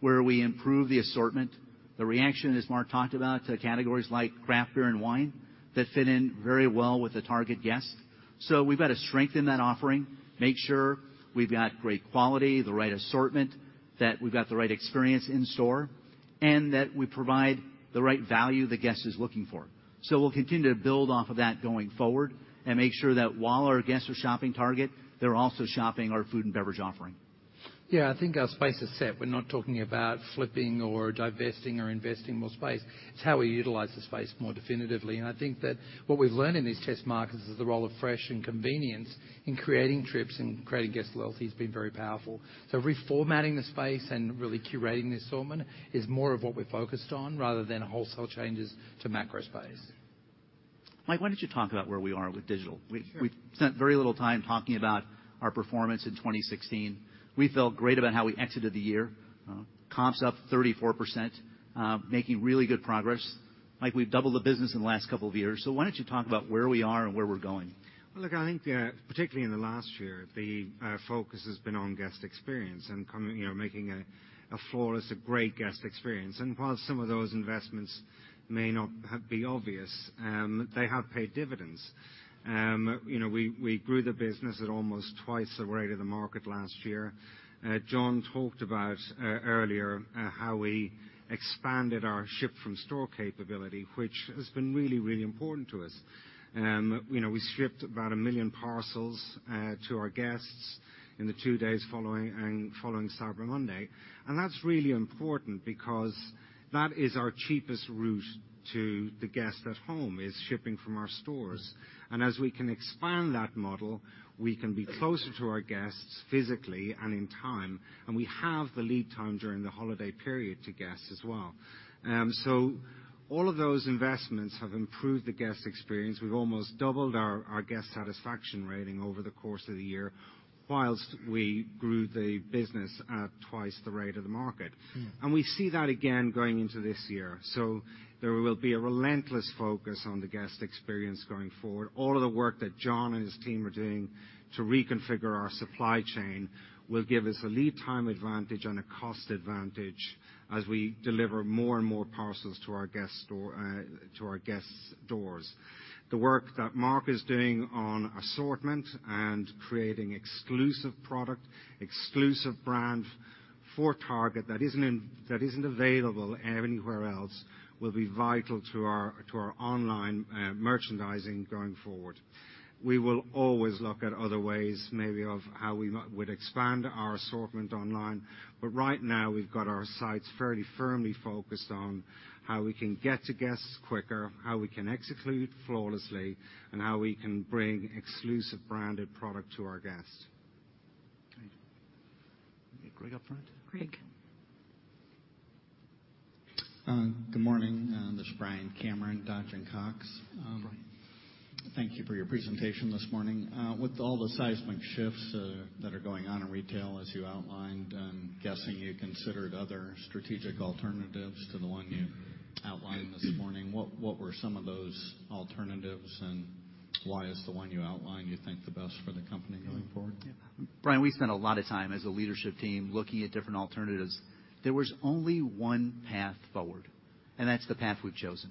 where we improved the assortment. The reaction, as Mark talked about, to categories like craft beer and wine that fit in very well with the Target guest. We've got to strengthen that offering, make sure we've got great quality, the right assortment, that we've got the right experience in store, and that we provide the right value the guest is looking for. We'll continue to build off of that going forward and make sure that while our guests are shopping Target, they're also shopping our food and beverage offering. Yeah, I think our space is set. We're not talking about flipping or divesting or investing more space. It's how we utilize the space more definitively. I think that what we've learned in these test markets is the role of fresh and convenience in creating trips and creating guest loyalty has been very powerful. Reformatting the space and really curating the assortment is more of what we're focused on rather than wholesale changes to macro space. Mike, why don't you talk about where we are with digital? Sure. We've spent very little time talking about our performance in 2016. We felt great about how we exited the year. Comps up 34%, making really good progress. Mike, we've doubled the business in the last couple of years. Why don't you talk about where we are and where we're going? Well, look, I think particularly in the last year, the focus has been on guest experience and making a flawless, a great guest experience. While some of those investments may not be obvious, they have paid dividends. We grew the business at almost twice the rate of the market last year. John talked about earlier how we expanded our ship-from-store capability, which has been really important to us. We shipped about a million parcels to our guests in the two days following Cyber Monday. That's really important because that is our cheapest route to the guest at home, is shipping from our stores. As we can expand that model, we can be closer to our guests physically and in time, and we have the lead time during the holiday period to guests as well. All of those investments have improved the guest experience. We've almost doubled our guest satisfaction rating over the course of the year, while we grew the business at twice the rate of the market. Yeah. We see that again going into this year. There will be a relentless focus on the guest experience going forward. All of the work that John and his team are doing to reconfigure our supply chain will give us a lead time advantage and a cost advantage as we deliver more and more parcels to our guests' doors. The work that Mark is doing on assortment and creating exclusive product, exclusive brand for Target that isn't available anywhere else, will be vital to our online merchandising going forward. We will always look at other ways, maybe of how we would expand our assortment online. Right now, we've got our sights fairly firmly focused on how we can get to guests quicker, how we can execute flawlessly, and how we can bring exclusive branded product to our guests. Great. Greg up front. Greg. Good morning. This is Bryan Cameron, Dodge & Cox. Bryan. Thank you for your presentation this morning. With all the seismic shifts that are going on in retail, as you outlined, I'm guessing you considered other strategic alternatives to the one you outlined this morning. What were some of those alternatives, why is the one you outlined you think the best for the company going forward? Bryan, we spent a lot of time as a leadership team looking at different alternatives. There was only one path forward, and that's the path we've chosen.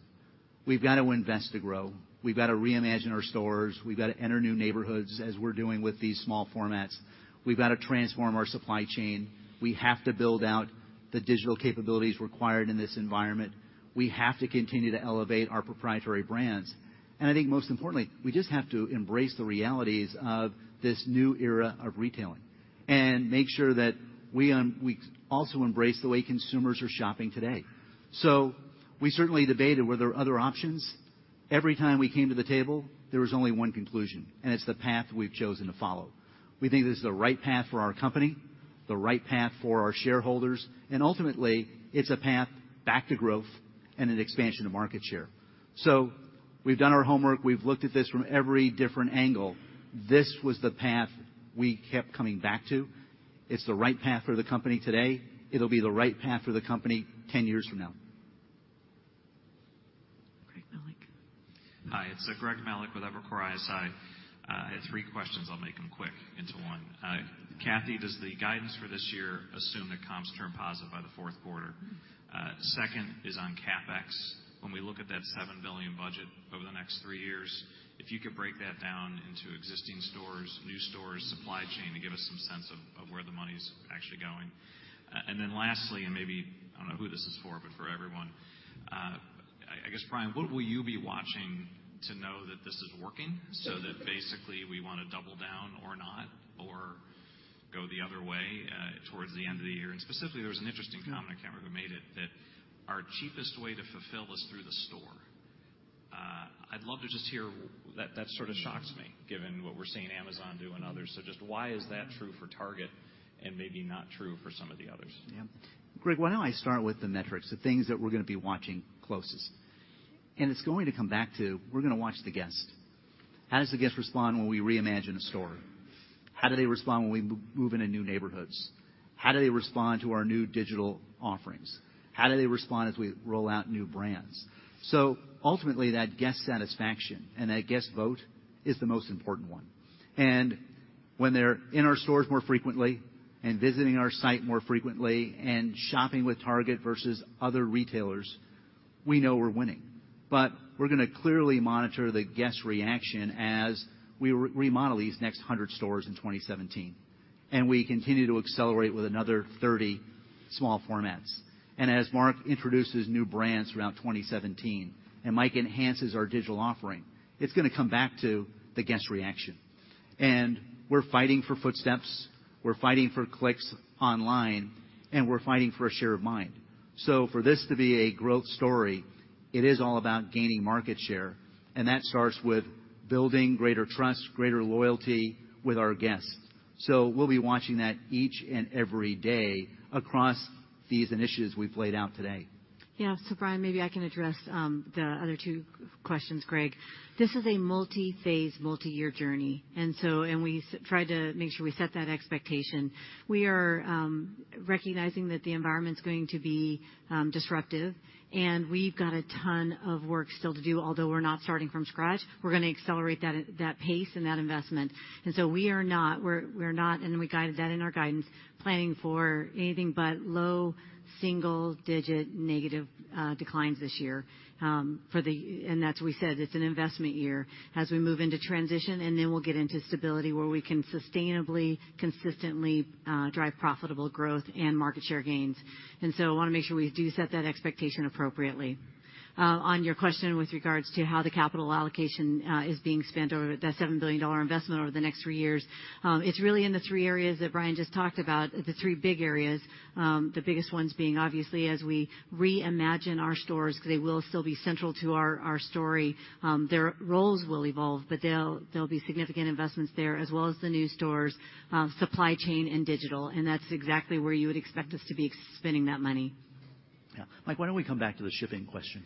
We've got to invest to grow. We've got to reimagine our stores. We've got to enter new neighborhoods as we're doing with these small formats. We've got to transform our supply chain. We have to build out the digital capabilities required in this environment. We have to continue to elevate our proprietary brands. I think most importantly, we just have to embrace the realities of this new era of retailing and make sure that we also embrace the way consumers are shopping today. We certainly debated whether other options. Every time we came to the table, there was only one conclusion, and it's the path we've chosen to follow. We think this is the right path for our company, the right path for our shareholders, and ultimately, it's a path back to growth and an expansion of market share. We've done our homework. We've looked at this from every different angle. This was the path we kept coming back to. It's the right path for the company today. It'll be the right path for the company 10 years from now. Greg Melich. Hi, it's Greg Melich with Evercore ISI. I had three questions. I'll make them quick into one. Cathy, does the guidance for this year assume that comps turn positive by the fourth quarter? Second is on CapEx. When we look at that $7 billion budget over the next three years, if you could break that down into existing stores, new stores, supply chain, to give us some sense of where the money's actually going. Lastly, and maybe, I don't know who this is for, but for everyone, I guess, Bryan, what will you be watching to know that this is working, so that basically we want to double down or not or go the other way towards the end of the year? Specifically, there was an interesting comment, I can't remember who made it, that our cheapest way to fulfill is through the store. I'd love to just hear that sort of shocks me given what we're seeing Amazon do and others. Just why is that true for Target and maybe not true for some of the others? Greg, why don't I start with the metrics, the things that we're gonna be watching closest. It's going to come back to we're gonna watch the guest. How does the guest respond when we reimagine a store? How do they respond when we move into new neighborhoods? How do they respond to our new digital offerings? How do they respond as we roll out new brands? Ultimately, that guest satisfaction and that guest vote is the most important one. When they're in our stores more frequently and visiting our site more frequently, and shopping with Target versus other retailers, we know we're winning. We're going to clearly monitor the guest reaction as we remodel these next 100 stores in 2017, and we continue to accelerate with another 30 small formats. As Mark introduces new brands throughout 2017, and Mike enhances our digital offering, it's going to come back to the guest reaction. We're fighting for footsteps, we're fighting for clicks online, and we're fighting for a share of mind. For this to be a growth story, it is all about gaining market share, and that starts with building greater trust, greater loyalty with our guests. We'll be watching that each and every day across these initiatives we've laid out today. Yeah. Brian, maybe I can address the other two questions, Greg. This is a multi-phase, multi-year journey, we try to make sure we set that expectation. We are recognizing that the environment's going to be disruptive, we've got a ton of work still to do. Although we're not starting from scratch, we're going to accelerate that pace and that investment. We are not, we guided that in our guidance, planning for anything but low single-digit negative declines this year. As we said, it's an investment year as we move into transition, then we'll get into stability where we can sustainably, consistently drive profitable growth and market share gains. I want to make sure we do set that expectation appropriately. On your question with regards to how the capital allocation is being spent over that $7 billion investment over the next three years, it's really in the three areas that Brian just talked about, the three big areas. The biggest ones being obviously as we reimagine our stores, because they will still be central to our story. Their roles will evolve, but there'll be significant investments there as well as the new stores, supply chain, and digital, that's exactly where you would expect us to be spending that money. Yeah. Mike, why don't we come back to the shipping question?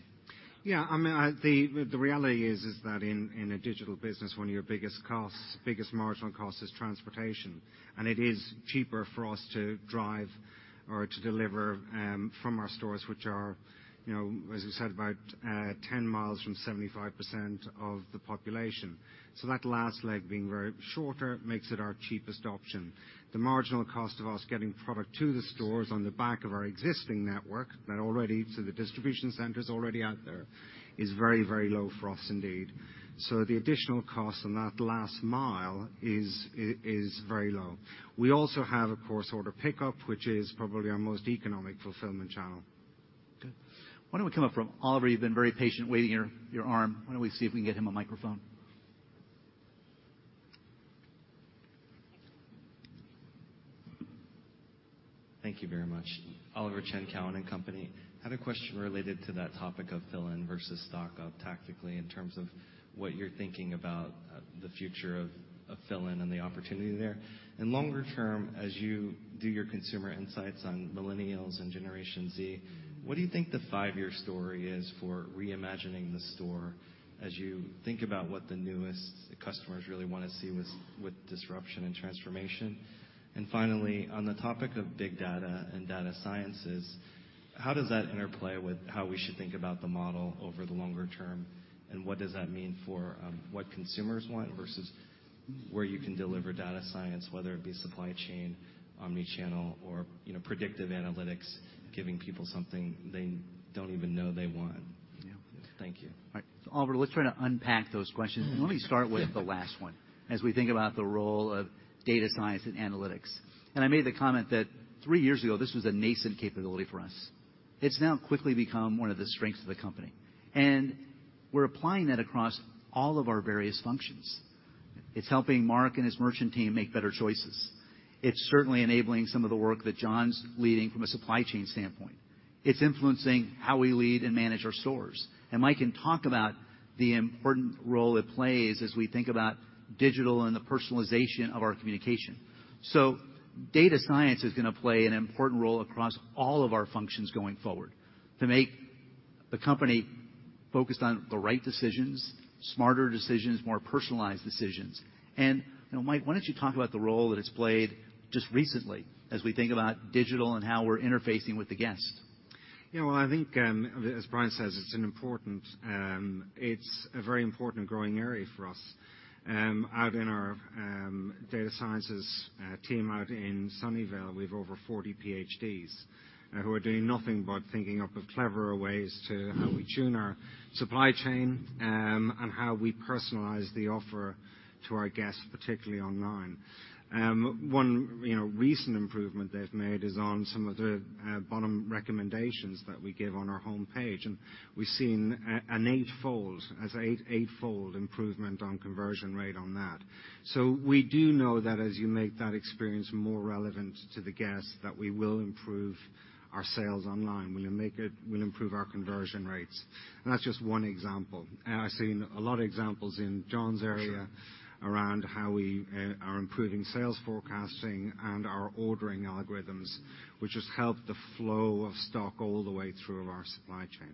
Yeah. The reality is that in a digital business, one of your biggest marginal costs is transportation, it is cheaper for us to drive or to deliver from our stores, which are, as we said, about 10 miles from 75% of the population. That last leg being very shorter, makes it our cheapest option. The marginal cost of us getting product to the stores on the back of our existing network, the distribution centers already out there, is very low for us indeed. The additional cost on that last mile is very low. We also have of course, order pickup, which is probably our most economic fulfillment channel. Okay. Why don't we come up from Oliver, you've been very patient, waving your arm. Why don't we see if we can get him a microphone? Thank you very much. Oliver Chen, Cowen and Company. Had a question related to that topic of fill-in versus stock-up tactically in terms of what you're thinking about the future of fill-in and the opportunity there. Longer term, as you do your consumer insights on millennials and Generation Z, what do you think the five-year story is for reimagining the store as you think about what the newest customers really want to see with disruption and transformation? Finally, on the topic of big data and data sciences, how does that interplay with how we should think about the model over the longer term, and what does that mean for what consumers want versus where you can deliver data science, whether it be supply chain, omni-channel or predictive analytics, giving people something they don't even know they want? Yeah. Thank you. All right. Oliver, let's try to unpack those questions. Let me start with the last one. As we think about the role of data science and analytics, and I made the comment that three years ago, this was a nascent capability for us. It's now quickly become one of the strengths of the company, and we're applying that across all of our various functions. It's helping Mark and his merchant team make better choices. It's certainly enabling some of the work that John's leading from a supply chain standpoint. It's influencing how we lead and manage our stores. Mike can talk about the important role it plays as we think about digital and the personalization of our communication. data science is gonna play an important role across all of our functions going forward to make the company focused on the right decisions, smarter decisions, more personalized decisions. Mike, why don't you talk about the role that it's played just recently as we think about digital and how we're interfacing with the guest? Yeah. Well, I think, as Brian says, it's a very important growing area for us. Out in our data sciences team out in Sunnyvale, we've over 40 PhDs who are doing nothing but thinking up of cleverer ways to how we tune our supply chain, and how we personalize the offer to our guests, particularly online. One recent improvement they've made is on some of the bottom recommendations that we give on our homepage, and we've seen an eightfold improvement on conversion rate on that. We do know that as you make that experience more relevant to the guest, that we will improve our sales online, we'll improve our conversion rates. That's just one example. I've seen a lot of examples in John's area around how we are improving sales forecasting and our ordering algorithms, which has helped the flow of stock all the way through our supply chain.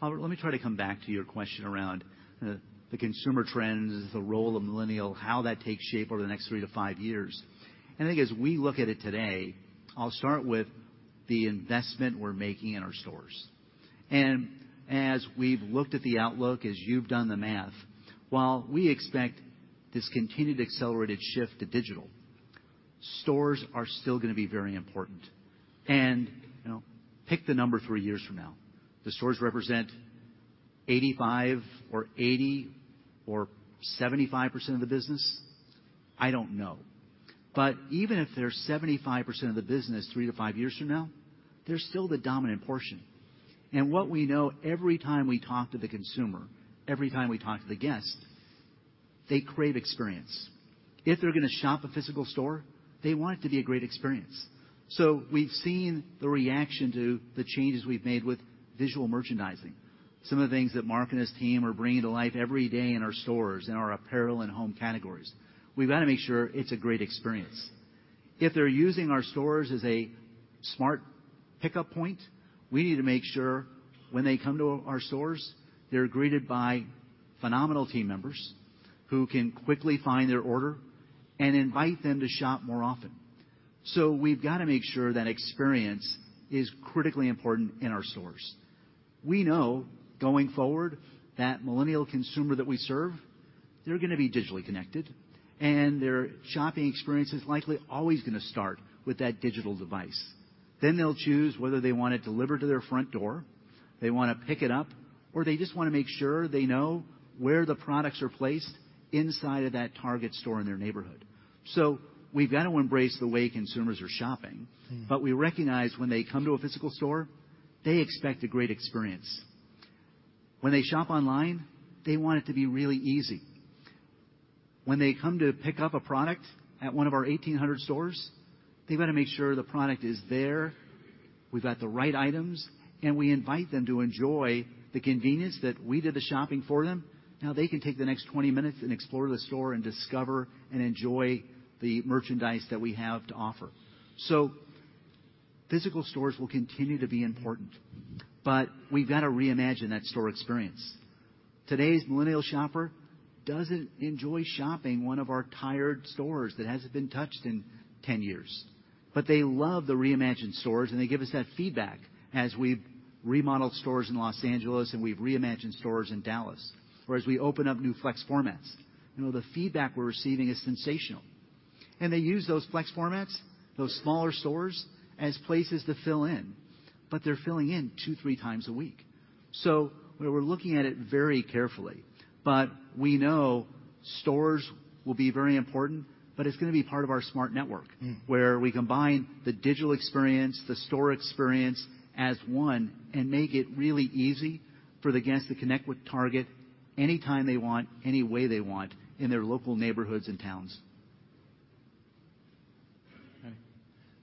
Oliver, let me try to come back to your question around the consumer trends, the role of millennial, how that takes shape over the next three to five years. I think as we look at it today, I'll start with the investment we're making in our stores. As we've looked at the outlook, as you've done the math, while we expect this continued accelerated shift to digital, stores are still gonna be very important. Pick the number three years from now. The stores represent 85% or 80% or 75% of the business, I don't know. Even if they're 75% of the business three to five years from now, they're still the dominant portion. What we know every time we talk to the consumer, every time we talk to the guest, they crave experience. If they're gonna shop a physical store, they want it to be a great experience. We've seen the reaction to the changes we've made with visual merchandising. Some of the things that Mark and his team are bringing to life every day in our stores, in our apparel and home categories. We've got to make sure it's a great experience. If they're using our stores as a smart pickup point, we need to make sure when they come to our stores, they're greeted by phenomenal team members who can quickly find their order and invite them to shop more often. We've got to make sure that experience is critically important in our stores. We know going forward, that millennial consumer that we serve, they're gonna be digitally connected, and their shopping experience is likely always gonna start with that digital device. They'll choose whether they want it delivered to their front door, they want to pick it up, or they just want to make sure they know where the products are placed inside of that Target store in their neighborhood. We've got to embrace the way consumers are shopping. We recognize when they come to a physical store, they expect a great experience. When they shop online, they want it to be really easy. When they come to pick up a product at one of our 1,800 stores, they want to make sure the product is there, we've got the right items, and we invite them to enjoy the convenience that we did the shopping for them. Now they can take the next 20 minutes and explore the store and discover and enjoy the merchandise that we have to offer. Physical stores will continue to be important. We've got to reimagine that store experience. Today's millennial shopper doesn't enjoy shopping one of our tired stores that hasn't been touched in 10 years. They love the reimagined stores, and they give us that feedback as we've remodeled stores in Los Angeles and we've reimagined stores in Dallas, or as we open up new flex formats. The feedback we're receiving is sensational. They use those flex formats, those smaller stores, as places to fill in. They're filling in two, three times a week. We're looking at it very carefully. We know stores will be very important, but it's gonna be part of our smart network. where we combine the digital experience, the store experience as one, and make it really easy for the guests to connect with Target anytime they want, any way they want in their local neighborhoods and towns.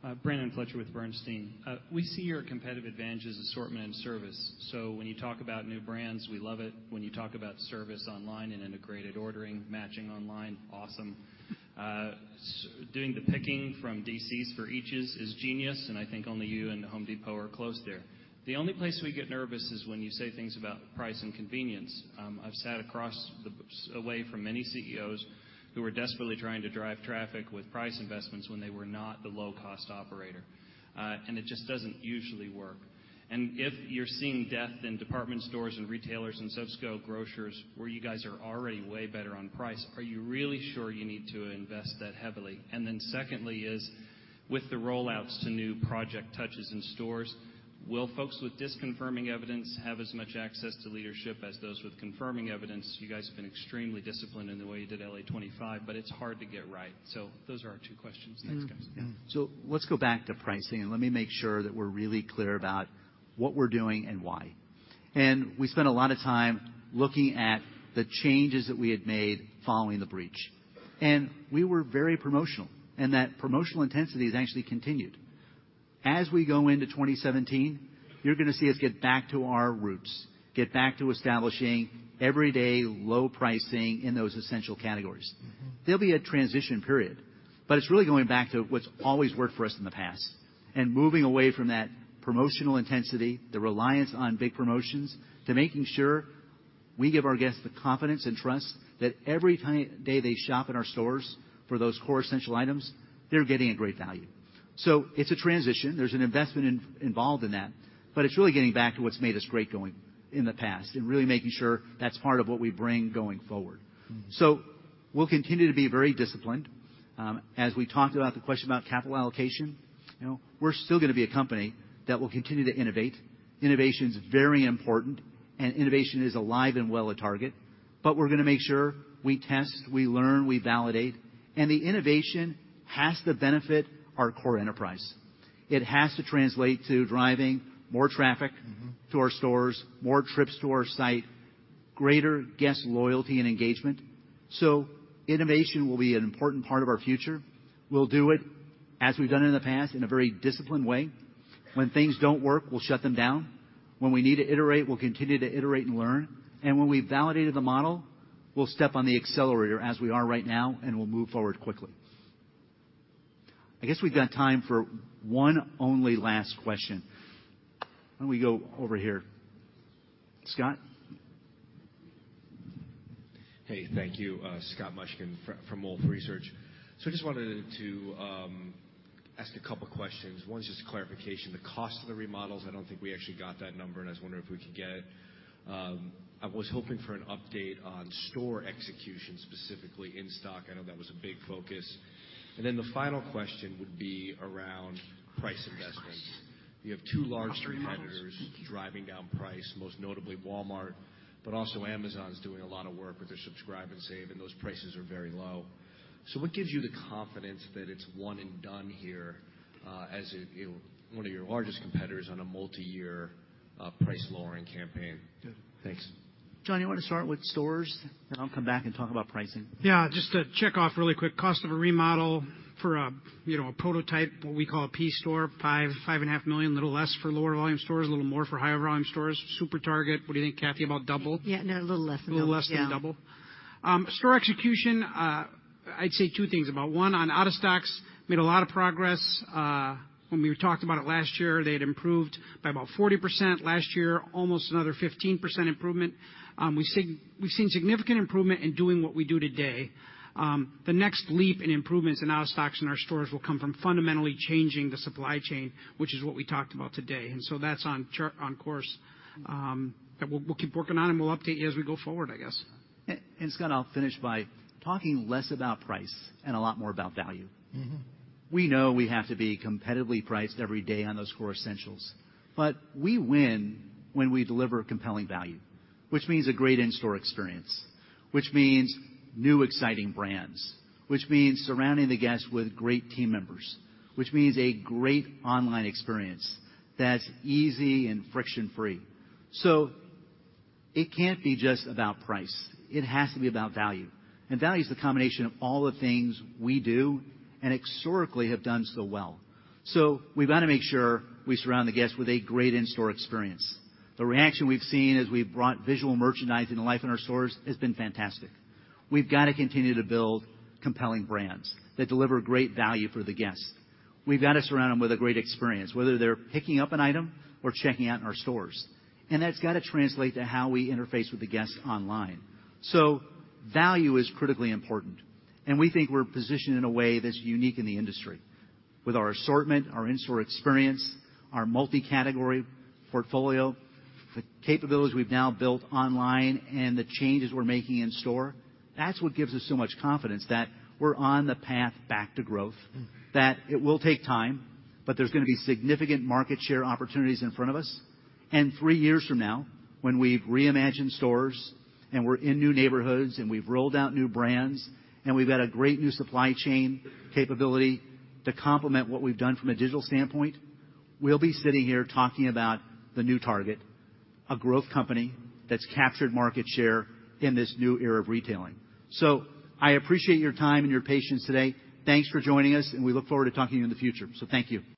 Okay. Brandon Fletcher with Bernstein. We see your competitive advantage as assortment and service. When you talk about new brands, we love it. When you talk about service online and integrated ordering, matching online, awesome. Doing the picking from DCs for eaches is genius, and I think only you and The Home Depot are close there. The only place we get nervous is when you say things about price and convenience. I've sat away from many CEOs who are desperately trying to drive traffic with price investments when they were not the low-cost operator. It just doesn't usually work. If you're seeing death in department stores and retailers and subscale grocers, where you guys are already way better on price, are you really sure you need to invest that heavily? Secondly is, with the rollouts to new [project touches in stores, will folks with disconfirming evidence have as much access to leadership as those with confirming evidence? You guys have been extremely disciplined in the way you did L.A.25, but it's hard to get right. Those are our two questions. Thanks, guys. Let's go back to pricing, let me make sure that we're really clear about what we're doing and why. We spent a lot of time looking at the changes that we had made following the data breach. We were very promotional, that promotional intensity has actually continued. As we go into 2017, you're gonna see us get back to our roots, get back to establishing everyday low pricing in those essential categories. There'll be a transition period, but it's really going back to what's always worked for us in the past and moving away from that promotional intensity, the reliance on big promotions, to making sure we give our guests the confidence and trust that every day they shop at our stores for those core essential items, they're getting a great value. It's a transition. There's an investment involved in that. It's really getting back to what's made us great in the past and really making sure that's part of what we bring going forward. We'll continue to be very disciplined. As we talked about the question about capital allocation, we're still gonna be a company that will continue to innovate. Innovation's very important, and innovation is alive and well at Target. We're gonna make sure we test, we learn, we validate, and the innovation has to benefit our core enterprise. It has to translate to driving more traffic- to our stores, more trips to our site, greater guest loyalty and engagement. Innovation will be an important part of our future. We'll do it as we've done in the past in a very disciplined way. When things don't work, we'll shut them down. When we need to iterate, we'll continue to iterate and learn. When we've validated the model, we'll step on the accelerator, as we are right now, and we'll move forward quickly. I guess we've got time for one only last question. Why don't we go over here? Scott? Hey, thank you. Scott Mushkin from Wolfe Research. Just wanted to ask a couple questions. One is just clarification. The cost of the remodels, I don't think we actually got that number, and I was wondering if we could get it. I was hoping for an update on store execution, specifically in-stock. I know that was a big focus. Then the final question would be around price investments. You have two large competitors driving down price, most notably Walmart, but also Amazon's doing a lot of work with their Subscribe & Save, and those prices are very low. What gives you the confidence that it's one and done here, as one of your largest competitors on a multi-year price-lowering campaign? Good. Thanks. John, you want to start with stores? I'll come back and talk about pricing. Yeah, just to check off really quick. Cost of a remodel for a prototype, what we call a P store, five and a half million, a little less for lower volume stores, a little more for higher volume stores. SuperTarget, what do you think, Cathy, about double? Yeah, no, a little less than double. A little less than double. Yeah. Store execution, I'd say two things about. One, on out of stocks, made a lot of progress. When we talked about it last year, they had improved by about 40%. Last year, almost another 15% improvement. We've seen significant improvement in doing what we do today. The next leap in improvements in out of stocks in our stores will come from fundamentally changing the supply chain, which is what we talked about today. That's on course. We'll keep working on it, and we'll update you as we go forward, I guess. Scott, I'll finish by talking less about price and a lot more about value. We know we have to be competitively priced every day on those core essentials. We win when we deliver compelling value, which means a great in-store experience, which means new, exciting brands, which means surrounding the guest with great team members, which means a great online experience that's easy and friction-free. It can't be just about price. It has to be about value. Value is the combination of all the things we do and historically have done so well. We've got to make sure we surround the guest with a great in-store experience. The reaction we've seen as we've brought visual merchandising to life in our stores has been fantastic. We've got to continue to build compelling brands that deliver great value for the guest. We've got to surround them with a great experience, whether they're picking up an item or checking out in our stores. That's got to translate to how we interface with the guests online. Value is critically important, and we think we're positioned in a way that's unique in the industry with our assortment, our in-store experience, our multi-category portfolio, the capabilities we've now built online, and the changes we're making in store. That's what gives us so much confidence that we're on the path back to growth, that it will take time, but there's going to be significant market share opportunities in front of us. Three years from now, when we've reimagined stores and we're in new neighborhoods and we've rolled out new brands and we've got a great new supply chain capability to complement what we've done from a digital standpoint, we'll be sitting here talking about the new Target, a growth company that's captured market share in this new era of retailing. I appreciate your time and your patience today. Thanks for joining us, and we look forward to talking to you in the future. Thank you.